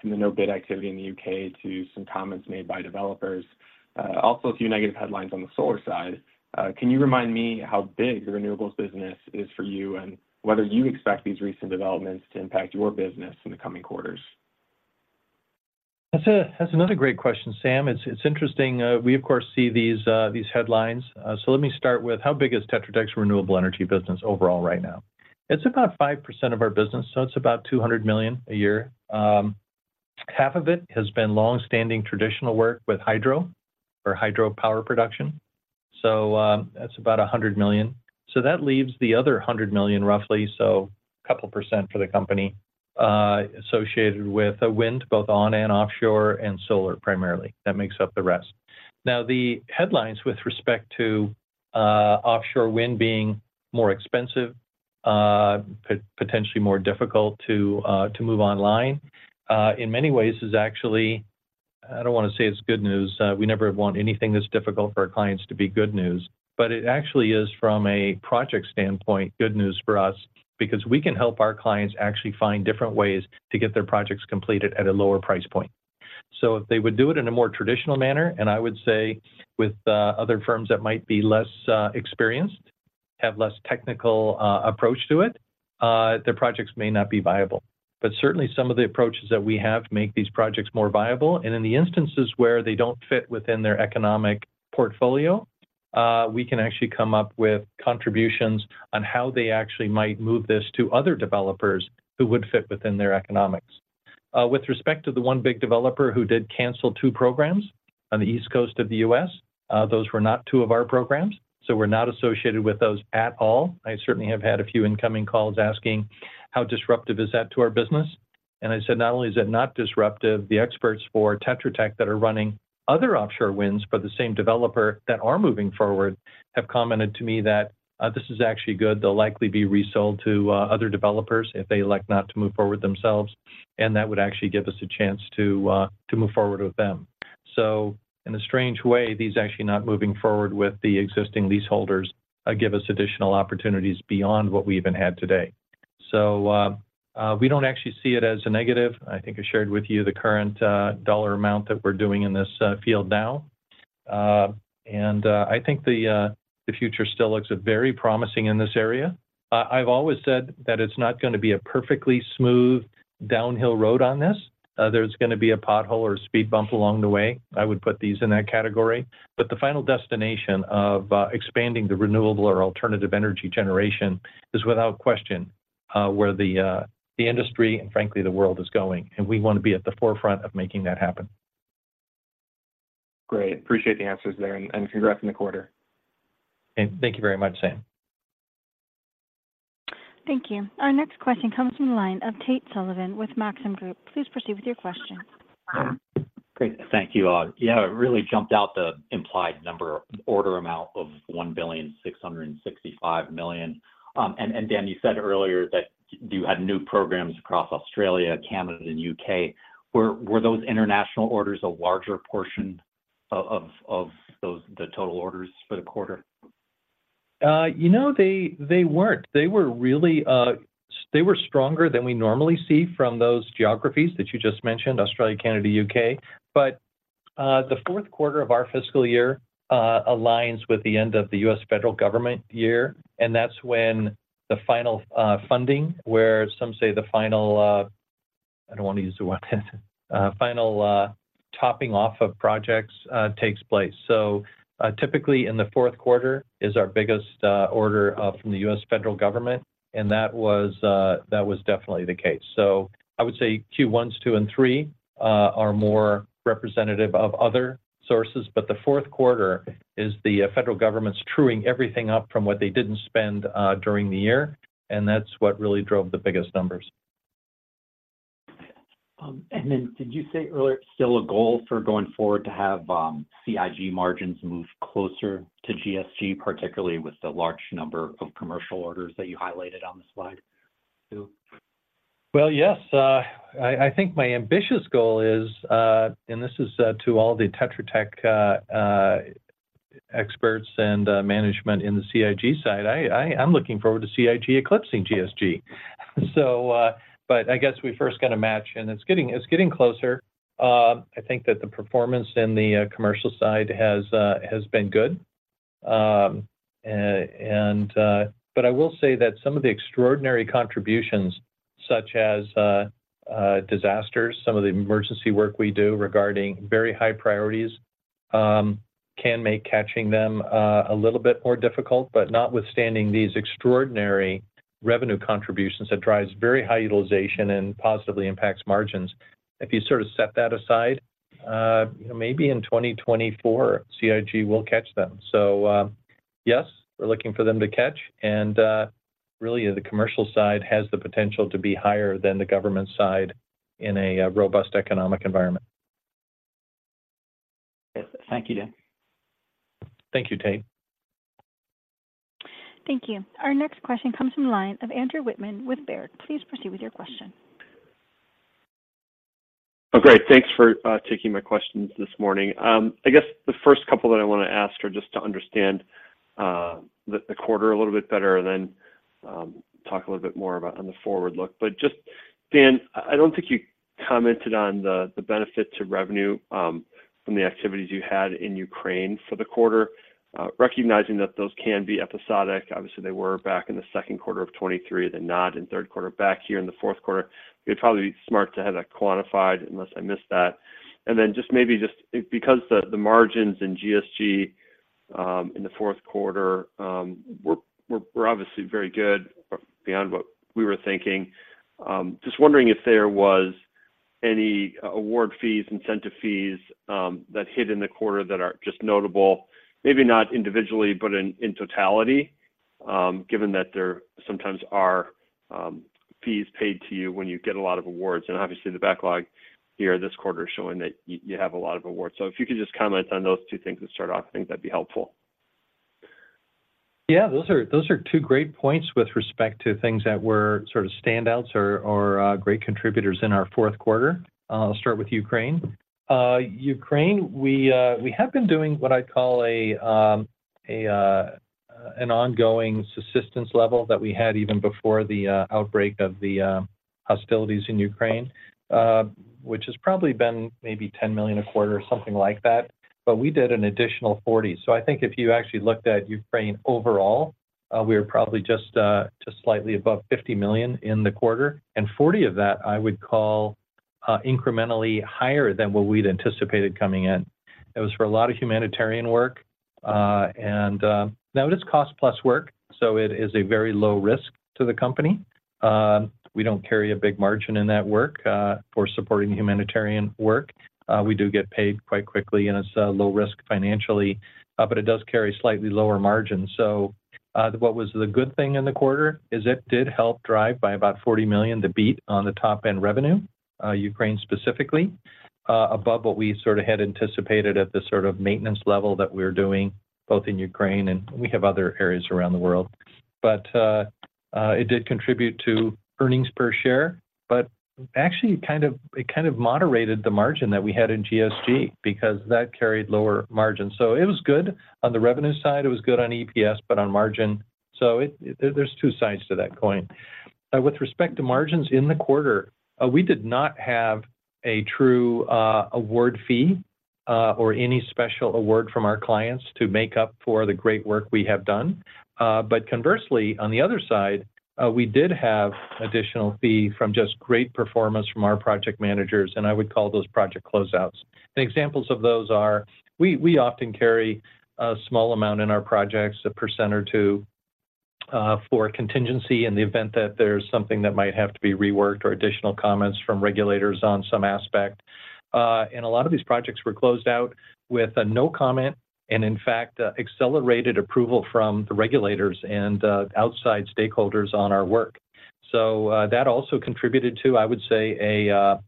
from the no-bid activity in the U.K. to some comments made by developers. Also a few negative headlines on the solar side. Can you remind me how big the renewables business is for you and whether you expect these recent developments to impact your business in the coming quarters? That's a, that's another great question, Sam. It's, it's interesting. We, of course, see these, these headlines. So let me start with how big is Tetra Tech's renewable energy business overall right now? It's about 5% of our business, so it's about $200 million a year. Half of it has been long-standing traditional work with hydro or hydro power production, so, that's about $100 million. So that leaves the other $100 million, roughly, so a couple percent for the company, associated with wind, both on and offshore, and solar primarily. That makes up the rest. Now, the headlines with respect to, offshore wind being more expensive, potentially more difficult to, to move online, in many ways is actually, I don't want to say it's good news. We never want anything that's difficult for our clients to be good news, but it actually is, from a project standpoint, good news for us because we can help our clients actually find different ways to get their projects completed at a lower price point. So if they would do it in a more traditional manner, and I would say with other firms that might be less experienced, have less technical approach to it, their projects may not be viable. But certainly some of the approaches that we have make these projects more viable, and in the instances where they don't fit within their economic portfolio, we can actually come up with contributions on how they actually might move this to other developers who would fit within their economics. With respect to the one big developer who did cancel two programs on the East Coast of the U.S., those were not two of our programs, so we're not associated with those at all. I certainly have had a few incoming calls asking how disruptive is that to our business, and I said, "Not only is it not disruptive, the experts for Tetra Tech that are running other offshore winds for the same developer that are moving forward, have commented to me that this is actually good. They'll likely be resold to other developers if they elect not to move forward themselves, and that would actually give us a chance to move forward with them." So in a strange way, these actually not moving forward with the existing leaseholders give us additional opportunities beyond what we even had today. So, we don't actually see it as a negative. I think I shared with you the current dollar amount that we're doing in this field now. And I think the future still looks very promising in this area. I've always said that it's not gonna be a perfectly smooth downhill road on this. There's gonna be a pothole or a speed bump along the way. I would put these in that category, but the final destination of expanding the renewable or alternative energy generation is without question where the industry and frankly, the world is going, and we wanna be at the forefront of making that happen. Great. Appreciate the answers there, and congrats on the quarter. Thank you very much, Sam. Thank you. Our next question comes from the line of Tate Sullivan with Maxim Group. Please proceed with your question. Great. Thank you, yeah, it really jumped out the implied number, order amount of $1.665 billion. And Dan, you said earlier that you had new programs across Australia, Canada, and U.K. Were those international orders a larger portion of those, the total orders for the quarter? You know, they weren't. They were really stronger than we normally see from those geographies that you just mentioned, Australia, Canada, U.K. But the fourth quarter of our fiscal year aligns with the end of the U.S. federal government year, and that's when the final funding, where some say the final, I don't want to use the word final, topping off of projects takes place. So typically in the fourth quarter is our biggest order from the U.S. federal government, and that was definitely the case. So I would say Q1, Q2, and Q3 are more representative of other sources, but the fourth quarter is the federal government's truing everything up from what they didn't spend during the year, and that's what really drove the biggest numbers. Did you say earlier, it's still a goal for going forward to have CIG margins move closer to GSG, particularly with the large number of commercial orders that you highlighted on the slide, too? Well, yes. I think my ambitious goal is, and this is, to all the Tetra Tech experts and management in the CIG side. I'm looking forward to CIG eclipsing GSG. So, but I guess we first got to match, and it's getting closer. I think that the performance in the commercial side has been good. And, but I will say that some of the extraordinary contributions, such as disasters, some of the emergency work we do regarding very high priorities, can make catching them a little bit more difficult. But notwithstanding these extraordinary revenue contributions that drives very high utilization and positively impacts margins, if you sort of set that aside, maybe in 2024, CIG will catch them. Yes, we're looking for them to catch, and really, the commercial side has the potential to be higher than the government side in a robust economic environment. Thank you, Dan. Thank you, Tate. Thank you. Our next question comes from the line of Andrew Wittmann with Baird. Please proceed with your question. Oh, great. Thanks for taking my questions this morning. I guess the first couple that I wanna ask are just to understand the quarter a little bit better, and then talk a little bit more about on the forward look. But just, Dan, I don't think you commented on the benefit to revenue from the activities you had in Ukraine for the quarter, recognizing that those can be episodic. Obviously, they were back in the second quarter of 2023, then not in third quarter. Back here in the fourth quarter, it'd probably be smart to have that quantified unless I missed that. And then just maybe because the margins in GSG in the fourth quarter were obviously very good, beyond what we were thinking. Just wondering if there was any award fees, incentive fees, that hit in the quarter that are just notable, maybe not individually, but in totality, given that there sometimes are fees paid to you when you get a lot of awards. And obviously, the backlog here this quarter is showing that you have a lot of awards. So if you could just comment on those two things to start off, I think that'd be helpful. Yeah, those are, those are two great points with respect to things that were sort of standouts or great contributors in our fourth quarter. I'll start with Ukraine. Ukraine, we have been doing what I'd call an ongoing assistance level that we had even before the outbreak of the hostilities in Ukraine, which has probably been maybe $10 million a quarter or something like that, but we did an additional $40 million. So I think if you actually looked at Ukraine overall, we're probably just slightly above $50 million in the quarter, and $40 million of that, I would call incrementally higher than what we'd anticipated coming in. It was for a lot of humanitarian work... and now it is cost-plus work, so it is a very low risk to the company. We don't carry a big margin in that work for supporting the humanitarian work. We do get paid quite quickly, and it's low risk financially, but it does carry slightly lower margins. So, what was the good thing in the quarter is it did help drive by about $40 million, the beat on the top-end revenue, Ukraine specifically, above what we sort of had anticipated at the sort of maintenance level that we're doing, both in Ukraine and we have other areas around the world. But, it did contribute to earnings per share, but actually, it kind of, it kind of moderated the margin that we had in GSG because that carried lower margins. So it was good on the revenue side, it was good on EPS, but on margin... So there's two sides to that coin. With respect to margins in the quarter, we did not have a true award fee or any special award from our clients to make up for the great work we have done. But conversely, on the other side, we did have additional fee from just great performance from our project managers, and I would call those project closeouts. Examples of those are, we often carry a small amount in our projects, 1% or 2%, for contingency in the event that there's something that might have to be reworked or additional comments from regulators on some aspect. A lot of these projects were closed out with a no comment, and in fact, accelerated approval from the regulators and outside stakeholders on our work. So, that also contributed to, I would say, a,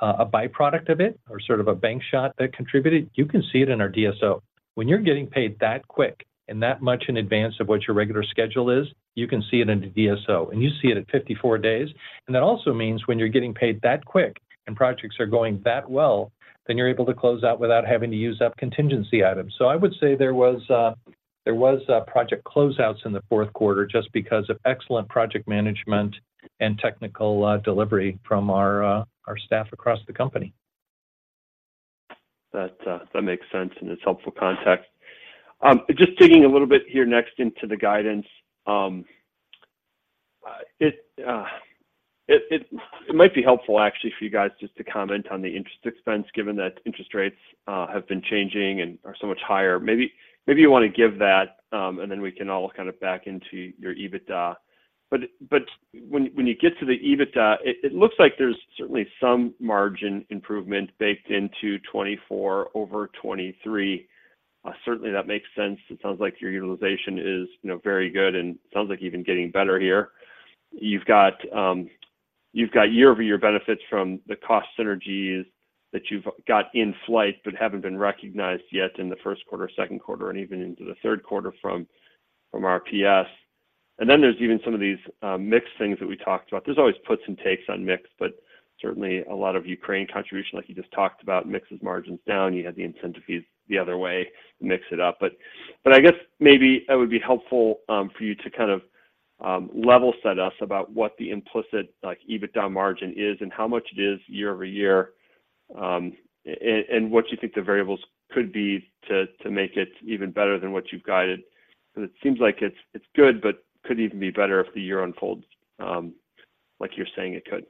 a byproduct of it or sort of a bank shot that contributed. You can see it in our DSO. When you're getting paid that quick and that much in advance of what your regular schedule is, you can see it in the DSO, and you see it at 54 days. And that also means when you're getting paid that quick and projects are going that well, then you're able to close out without having to use up contingency items. So I would say there was, there was, project closeouts in the fourth quarter just because of excellent project management and technical, delivery from our, our staff across the company. That makes sense, and it's helpful context. Just digging a little bit here next into the guidance. It might be helpful actually for you guys just to comment on the interest expense, given that interest rates have been changing and are so much higher. Maybe you want to give that, and then we can all kind of back into your EBITDA. But when you get to the EBITDA, it looks like there's certainly some margin improvement baked into 2024 over 2023. Certainly, that makes sense. It sounds like your utilization is, you know, very good and sounds like even getting better here. You've got, you've got year-over-year benefits from the cost synergies that you've got in flight but haven't been recognized yet in the first quarter, second quarter, and even into the third quarter from RPS. And then there's even some of these mixed things that we talked about. There's always puts and takes on mix, but certainly a lot of Ukraine contribution, like you just talked about, mixes margins down. You had the incentive fees the other way, mix it up. But I guess maybe it would be helpful for you to kind of level set us about what the implicit, like, EBITDA margin is and how much it is year over year, and what you think the variables could be to make it even better than what you've guided. Because it seems like it's, it's good, but could even be better if the year unfolds, like you're saying it could.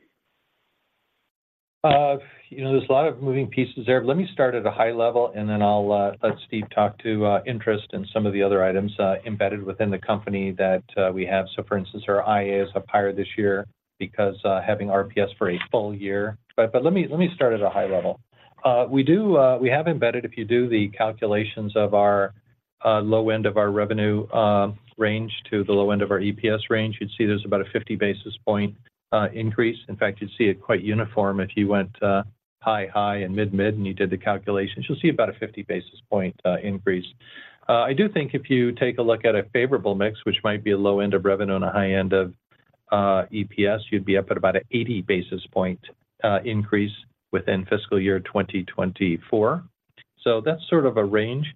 You know, there's a lot of moving pieces there. Let me start at a high level, and then I'll let Steve talk to interest and some of the other items embedded within the company that we have. So for instance, our IA is up higher this year because having RPS for a full year. But, but let me, let me start at a high level. We do, we have embedded, if you do the calculations of our low end of our revenue range to the low end of our EPS range, you'd see there's about a 50 basis point increase. In fact, you'd see it quite uniform if you went high, high and mid, mid, and you did the calculations. You'll see about a 50 basis point increase. I do think if you take a look at a favorable mix, which might be a low end of revenue and a high end of EPS, you'd be up at about an 80 basis point increase within fiscal year 2024. So that's sort of a range.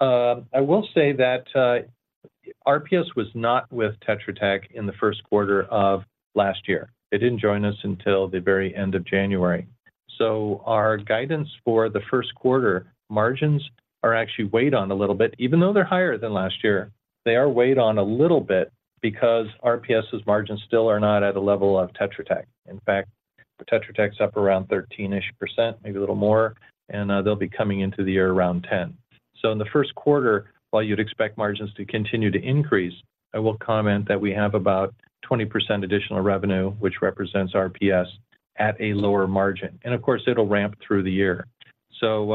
I will say that, RPS was not with Tetra Tech in the first quarter of last year. They didn't join us until the very end of January. So our guidance for the first quarter margins are actually weighed on a little bit. Even though they're higher than last year, they are weighed on a little bit because RPS's margins still are not at the level of Tetra Tech. In fact, Tetra Tech's up around 13-ish%, maybe a little more, and they'll be coming into the year around 10%. So in the first quarter, while you'd expect margins to continue to increase, I will comment that we have about 20% additional revenue, which represents RPS at a lower margin. And of course, it'll ramp through the year. So,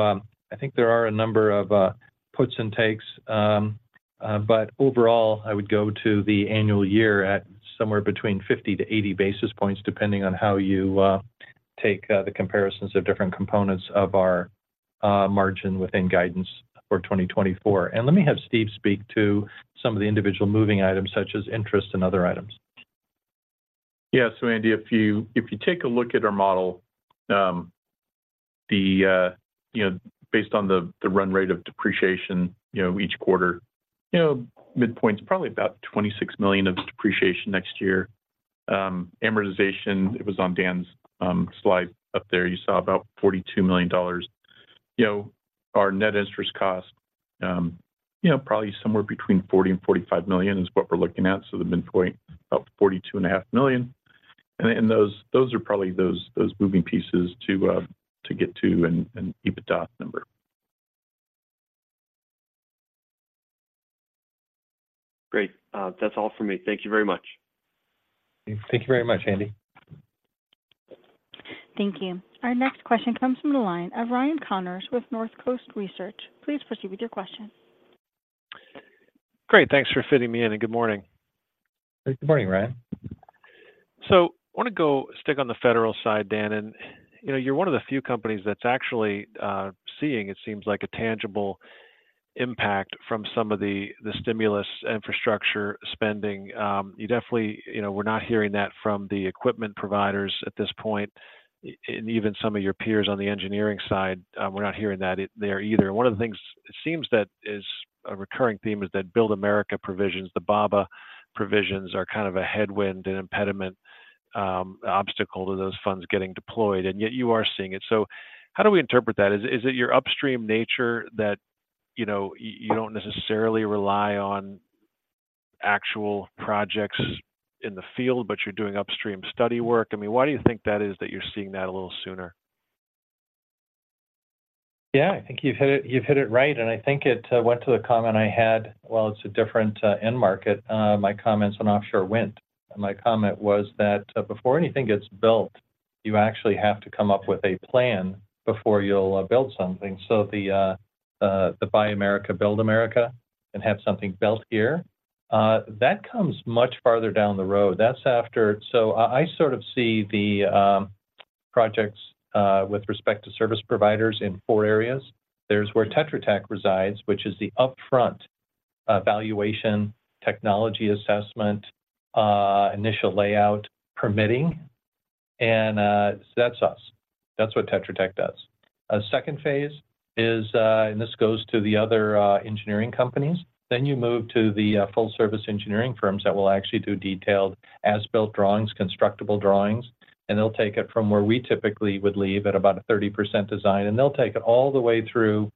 I think there are a number of puts and takes, but overall, I would go to the annual year at somewhere between 50-80 basis points, depending on how you take the comparisons of different components of our margin within guidance for 2024. And let me have Steve speak to some of the individual moving items, such as interest and other items. Yeah. So Andy, if you take a look at our model, you know, based on the run rate of depreciation, you know, each quarter, you know, midpoint's probably about $26 million of depreciation next year. Amortization, it was on Dan's slide up there. You saw about $42 million. You know, our net interest cost, you know, probably somewhere between $40 million and $45 million is what we're looking at. So the midpoint, about $42.5 million. ... And those are probably those moving pieces to get to an EBITDA number. Great. That's all for me. Thank you very much. Thank you very much, Andy. Thank you. Our next question comes from the line of Ryan Connors with Northcoast Research. Please proceed with your question. Great. Thanks for fitting me in, and good morning. Good morning, Ryan. So I wanna go stick on the federal side, Dan, and, you know, you're one of the few companies that's actually seeing, it seems like, a tangible impact from some of the, the stimulus infrastructure spending. You definitely, you know, we're not hearing that from the equipment providers at this point, and even some of your peers on the engineering side, we're not hearing that there either. One of the things it seems that is a recurring theme is that Build America provisions, the BABA provisions, are kind of a headwind, an impediment, obstacle to those funds getting deployed, and yet you are seeing it. So how do we interpret that? Is it your upstream nature that, you know, you don't necessarily rely on actual projects in the field, but you're doing upstream study work? I mean, why do you think that is that you're seeing that a little sooner? Yeah, I think you've hit it, you've hit it right, and I think it went to the comment I had. Well, it's a different end market, my comments on offshore wind. And my comment was that, before anything gets built, you actually have to come up with a plan before you'll build something. So the Buy America, Build America and have something built here, that comes much farther down the road. That's after... So I sort of see the projects with respect to service providers in four areas. There's where Tetra Tech resides, which is the upfront valuation, technology assessment, initial layout, permitting, and that's us. That's what Tetra Tech does. A second phase is, and this goes to the other engineering companies, then you move to the full service engineering firms that will actually do detailed as-built drawings, constructible drawings. And they'll take it from where we typically would leave at about a 30% design, and they'll take it all the way through,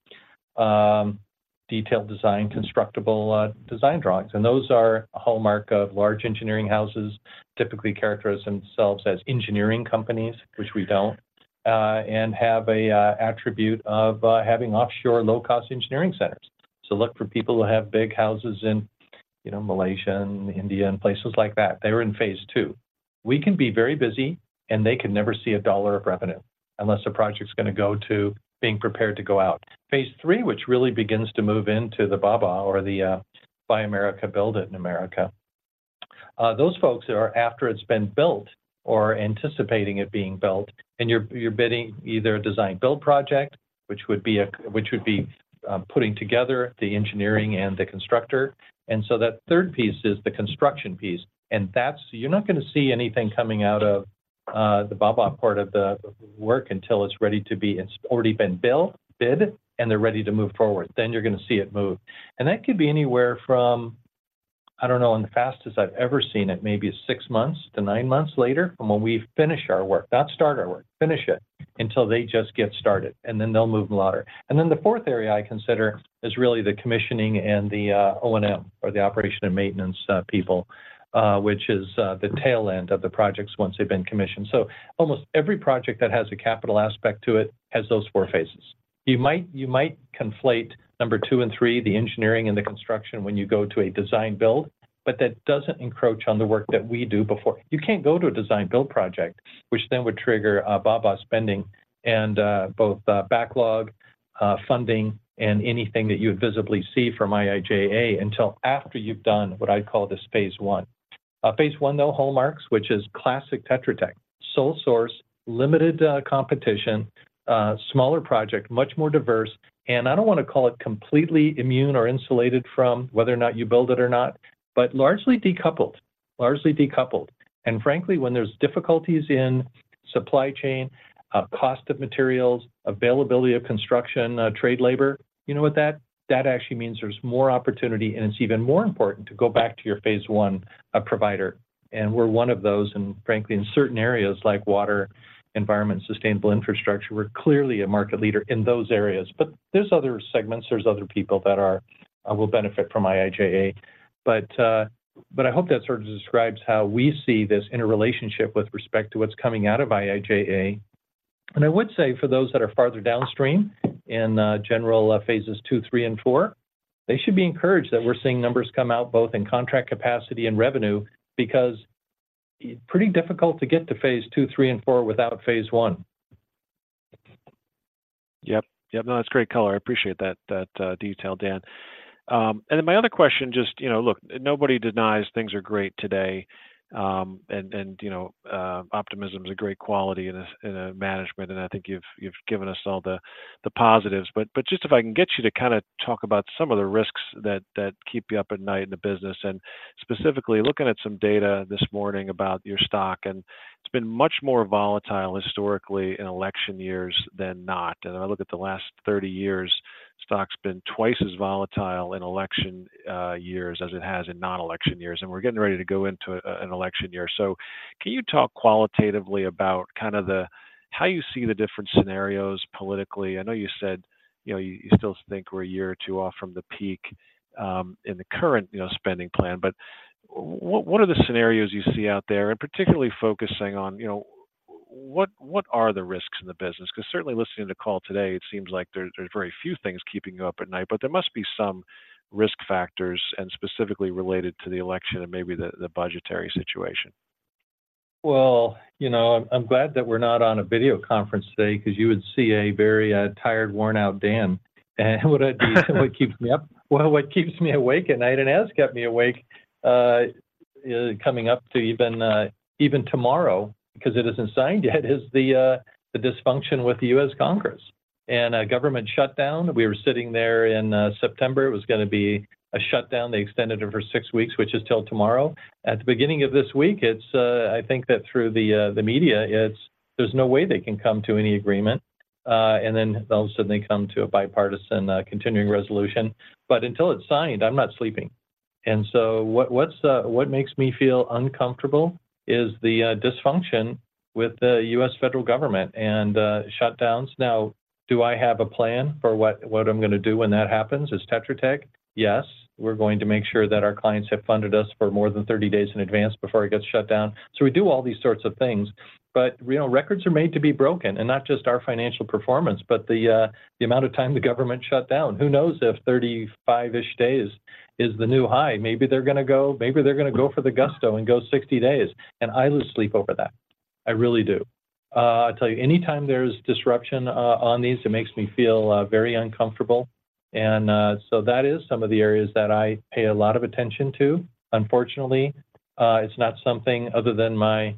detailed design, constructible design drawings. And those are a hallmark of large engineering houses, typically characterize themselves as engineering companies, which we don't, and have an attribute of having offshore low-cost engineering centers. So look for people who have big houses in, you know, Malaysia and India and places like that. They're in phase II. We can be very busy, and they can never see a dollar of revenue unless the project's gonna go to being prepared to go out. Phase III, which really begins to move into the BABA, or the Buy America, Build America, those folks are after it's been built or anticipating it being built, and you're bidding either a design-build project, which would be putting together the engineering and the constructor. And so that third piece is the construction piece, and that's, you're not gonna see anything coming out of the BABA part of the work until it's ready to be... it's already been built, bid, and they're ready to move forward. Then you're gonna see it move. And that could be anywhere from, I don't know, and the fastest I've ever seen it, maybe six months to nine months later from when we finish our work, not start our work, finish it, until they just get started, and then they'll move louder. And then the fourth area I consider is really the commissioning and the, O&M, or the operation and maintenance, people, which is, the tail end of the projects once they've been commissioned. So almost every project that has a capital aspect to it has those four phases. You might, you might conflate number two and three, the engineering and the construction, when you go to a design-build, but that doesn't encroach on the work that we do before. You can't go to a design build project, which then would trigger, BABA spending and, both, backlog, funding, and anything that you would visibly see from IIJA until after you've done what I'd call this phase I. Phase I, though, hallmarks, which is classic Tetra Tech, sole source, limited competition, smaller project, much more diverse, and I don't wanna call it completely immune or insulated from whether or not you build it or not, but largely decoupled, largely decoupled. And frankly, when there's difficulties in supply chain, cost of materials, availability of construction, trade labor, you know what? That, that actually means there's more opportunity, and it's even more important to go back to your phase I provider. And we're one of those, and frankly, in certain areas like water, environment, sustainable infrastructure, we're clearly a market leader in those areas. But there's other segments, there's other people that are will benefit from IIJA. But I hope that sort of describes how we see this in a relationship with respect to what's coming out of IIJA. I would say for those that are farther downstream, in general, phases II, III, and IV, they should be encouraged that we're seeing numbers come out both in contract capacity and revenue, because it's pretty difficult to get to phase II, III, and IV without phase I. Yep. Yep, no, that's great color. I appreciate that detail, Dan. And then my other question, just, you know, look, nobody denies things are great today, and you know, optimism is a great quality in a management, and I think you've given us all the positives. But just if I can get you to kind of talk about some of the risks that keep you up at night in the business, and specifically, looking at some data this morning about your stock, and it's been much more volatile historically in election years than not. And I look at the last 30 years, stock's been twice as volatile in election years as it has in non-election years, and we're getting ready to go into an election year. So can you talk qualitatively about kind of how you see the different scenarios politically? I know you said, you know, you still think we're a year or two off from the peak, in the current, you know, spending plan, but what are the scenarios you see out there, and particularly focusing on, you know. What are the risks in the business? Because certainly listening to the call today, it seems like there's very few things keeping you up at night, but there must be some risk factors, and specifically related to the election and maybe the budgetary situation. Well, you know, I'm glad that we're not on a video conference today because you would see a very tired, worn-out Dan. And would I be? What keeps me up? Well, what keeps me awake at night and has kept me awake coming up to even tomorrow because it isn't signed yet, is the dysfunction with the U.S. Congress. And a government shutdown, we were sitting there in September, it was gonna be a shutdown. They extended it for six weeks, which is till tomorrow. At the beginning of this week, it's, I think that through the media, it's, there's no way they can come to any agreement. And then all of a sudden they come to a bipartisan continuing resolution. But until it's signed, I'm not sleeping. What's what makes me feel uncomfortable is the dysfunction with the U.S. federal government and shutdowns. Now, do I have a plan for what I'm gonna do when that happens as Tetra Tech? Yes, we're going to make sure that our clients have funded us for more than 30 days in advance before it gets shut down. So we do all these sorts of things, but you know, records are made to be broken, and not just our financial performance, but the amount of time the government shut down. Who knows if 35-ish days is the new high? Maybe they're gonna go, maybe they're gonna go for the gusto and go 60 days, and I lose sleep over that. I really do. I tell you, anytime there's disruption on these, it makes me feel very uncomfortable. So that is some of the areas that I pay a lot of attention to. Unfortunately, it's not something other than my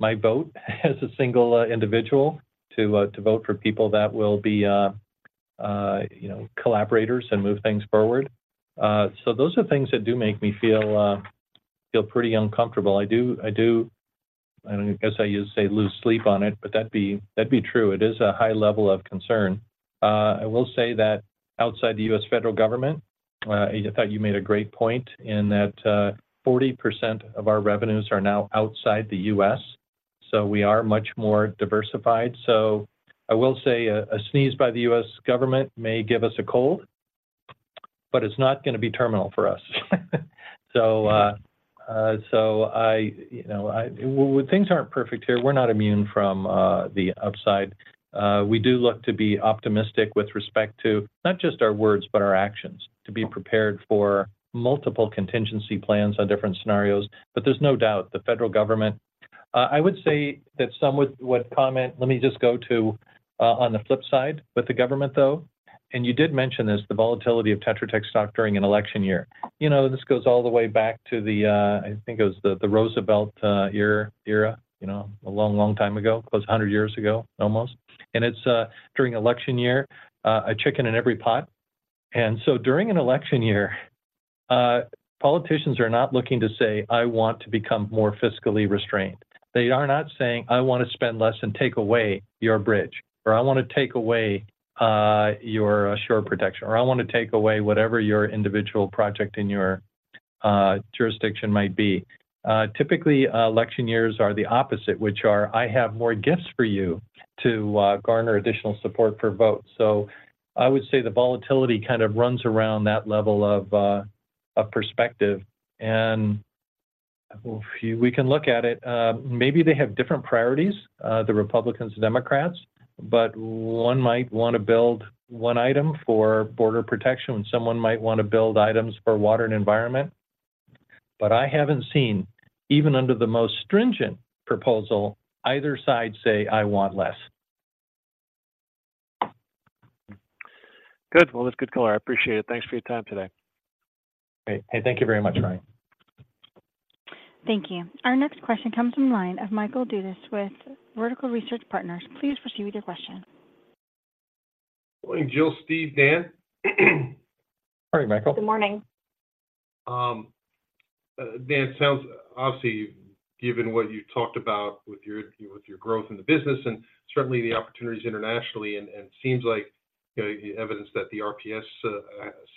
vote as a single individual to vote for people that will be, you know, collaborators and move things forward. Those are things that do make me feel pretty uncomfortable. I do, I guess I used to say, lose sleep on it, but that'd be true. It is a high level of concern. I will say that outside the U.S. federal government, I thought you made a great point in that, 40% of our revenues are now outside the U.S., so we are much more diversified. So I will say a sneeze by the U.S. government may give us a cold, but it's not gonna be terminal for us. So, you know, well, things aren't perfect here. We're not immune from the upside. We do look to be optimistic with respect to not just our words, but our actions, to be prepared for multiple contingency plans on different scenarios. But there's no doubt the federal government. I would say that some would comment, let me just go to on the flip side with the government, though, and you did mention this, the volatility of Tetra Tech stock during an election year. You know, this goes all the way back to the, I think it was the Roosevelt era, you know, a long, long time ago, close to a hundred years ago, almost. And it's during election year, a chicken in every pot. And so during an election year, politicians are not looking to say, "I want to become more fiscally restrained." They are not saying, "I want to spend less and take away your bridge," or, "I want to take away your shore protection," or, "I want to take away whatever your individual project in your jurisdiction might be." Typically, election years are the opposite, which are, "I have more gifts for you" to garner additional support for votes. So I would say the volatility kind of runs around that level of perspective, and if we can look at it, maybe they have different priorities, the Republicans, Democrats, but one might want to build one item for border protection, and someone might want to build items for water and environment. But I haven't seen, even under the most stringent proposal, either side say, "I want less. Good. Well, that's good color. I appreciate it. Thanks for your time today. Hey, thank you very much, Ryan. Thank you. Our next question comes from the line of Michael Dudas with Vertical Research Partners. Please proceed with your question. Good morning, Jill, Steve, Dan. Morning, Michael. Good morning. Dan, it sounds, obviously, given what you talked about with your growth in the business and certainly the opportunities internationally, and it seems like, you know, the evidence that the RPS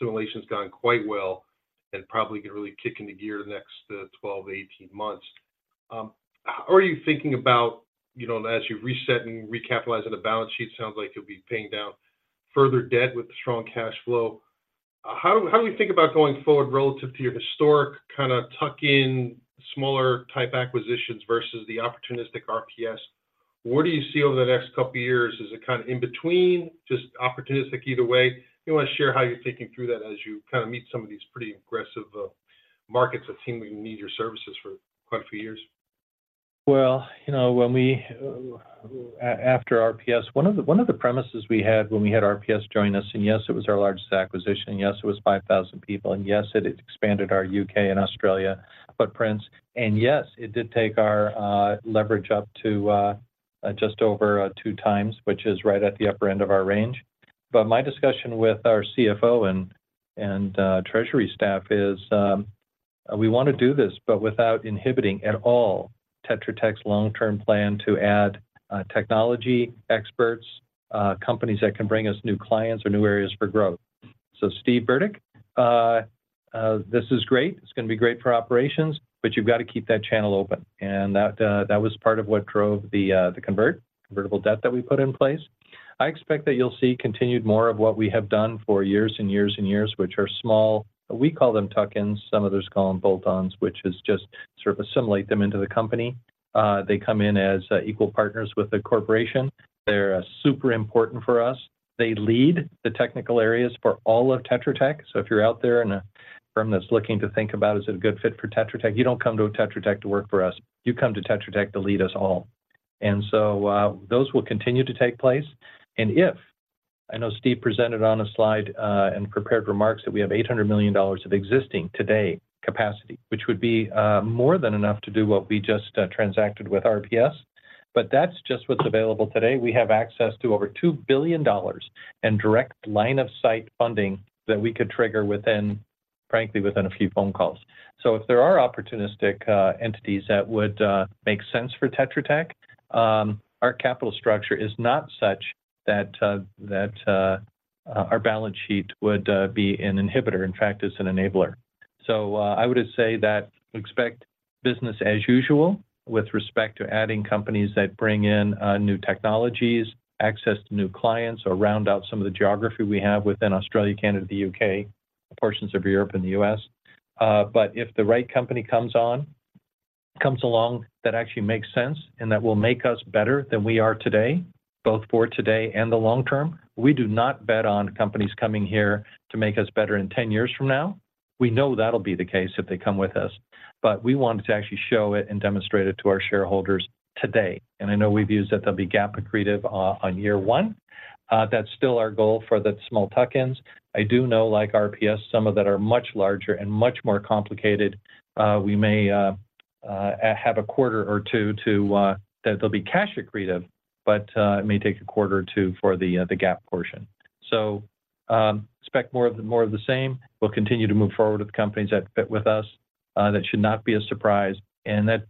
assimilation has gone quite well and probably gonna really kick into gear the next 12 months-18 months. How are you thinking about, you know, as you reset and recapitalize on the balance sheet, sounds like you'll be paying down further debt with the strong cash flow. How do you think about going forward relative to your historic, kind of tuck-in, smaller type acquisitions versus the opportunistic RPS? Where do you see over the next couple of years? Is it kind of in between, just opportunistic either way? You want to share how you're thinking through that as you kind of meet some of these pretty aggressive markets that seem we need your services for quite a few years? Well, you know, when we after RPS, one of the, one of the premises we had when we had RPS join us, and yes, it was our largest acquisition, yes, it was 5,000 people, and yes, it expanded our U.K. and Australia footprints, and yes, it did take our leverage up to just over 2x, which is right at the upper end of our range. But my discussion with our CFO and treasury staff is we want to do this, but without inhibiting at all Tetra Tech's long-term plan to add technology experts companies that can bring us new clients or new areas for growth. So Steve Burdick, this is great. It's gonna be great for operations, but you've got to keep that channel open. That was part of what drove the convertible debt that we put in place.... I expect that you'll see continued more of what we have done for years and years and years, which are small, we call them tuck-ins, some others call them bolt-ons, which is just sort of assimilate them into the company. They come in as equal partners with the corporation. They're super important for us. They lead the technical areas for all of Tetra Tech. So if you're out there in a firm that's looking to think about, is it a good fit for Tetra Tech? You don't come to Tetra Tech to work for us, you come to Tetra Tech to lead us all. And so, those will continue to take place. I know Steve presented on a slide and prepared remarks that we have $800 million of existing today capacity, which would be more than enough to do what we just transacted with RPS, but that's just what's available today. We have access to over $2 billion and direct line of sight funding that we could trigger within, frankly, within a few phone calls. So if there are opportunistic entities that would make sense for Tetra Tech, our capital structure is not such that our balance sheet would be an inhibitor. In fact, it's an enabler. So, I would just say that expect business as usual with respect to adding companies that bring in new technologies, access to new clients, or round out some of the geography we have within Australia, Canada, the U.K., portions of Europe and the U.S. But if the right company comes on, comes along, that actually makes sense, and that will make us better than we are today, both for today and the long term. We do not bet on companies coming here to make us better in 10 years from now. We know that'll be the case if they come with us, but we wanted to actually show it and demonstrate it to our shareholders today. I know we've used that they'll be GAAP accretive on Year One. That's still our goal for the small tuck-ins. I do know, like RPS, some of that are much larger and much more complicated. We may have a quarter or two to that they'll be cash accretive, but it may take a quarter or two for the GAAP portion. So, expect more of, more of the same. We'll continue to move forward with the companies that fit with us. That should not be a surprise, and that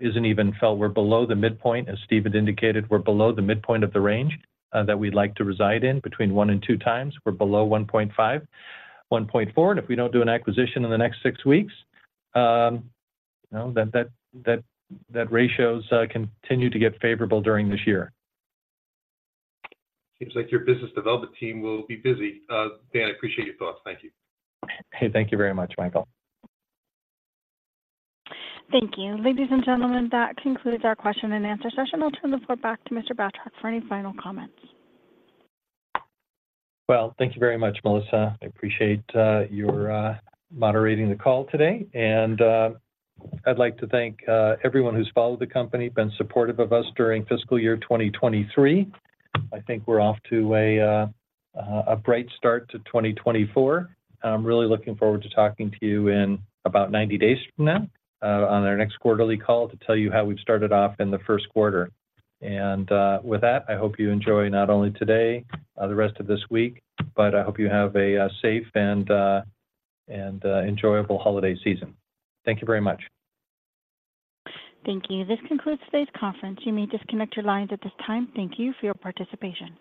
isn't even felt. We're below the midpoint, as Steve had indicated, we're below the midpoint of the range that we'd like to reside in, between 1x and 2x. We're below 1.5x, 1.4x, and if we don't do an acquisition in the next six weeks, you know, that ratios continue to get favorable during this year. Seems like your business development team will be busy. Dan, I appreciate your thoughts. Thank you. Hey, thank you very much, Michael. Thank you. Ladies and gentlemen, that concludes our question and answer session. I'll turn the floor back to Mr. Batrack for any final comments. Well, thank you very much, Melissa. I appreciate your moderating the call today. And I'd like to thank everyone who's followed the company, been supportive of us during fiscal year 2023. I think we're off to a bright start to 2024. I'm really looking forward to talking to you in about 90 days from now on our next quarterly call to tell you how we've started off in the first quarter. And with that, I hope you enjoy, not only today, the rest of this week, but I hope you have a safe and enjoyable holiday season. Thank you very much. Thank you. This concludes today's conference. You may disconnect your lines at this time. Thank you for your participation.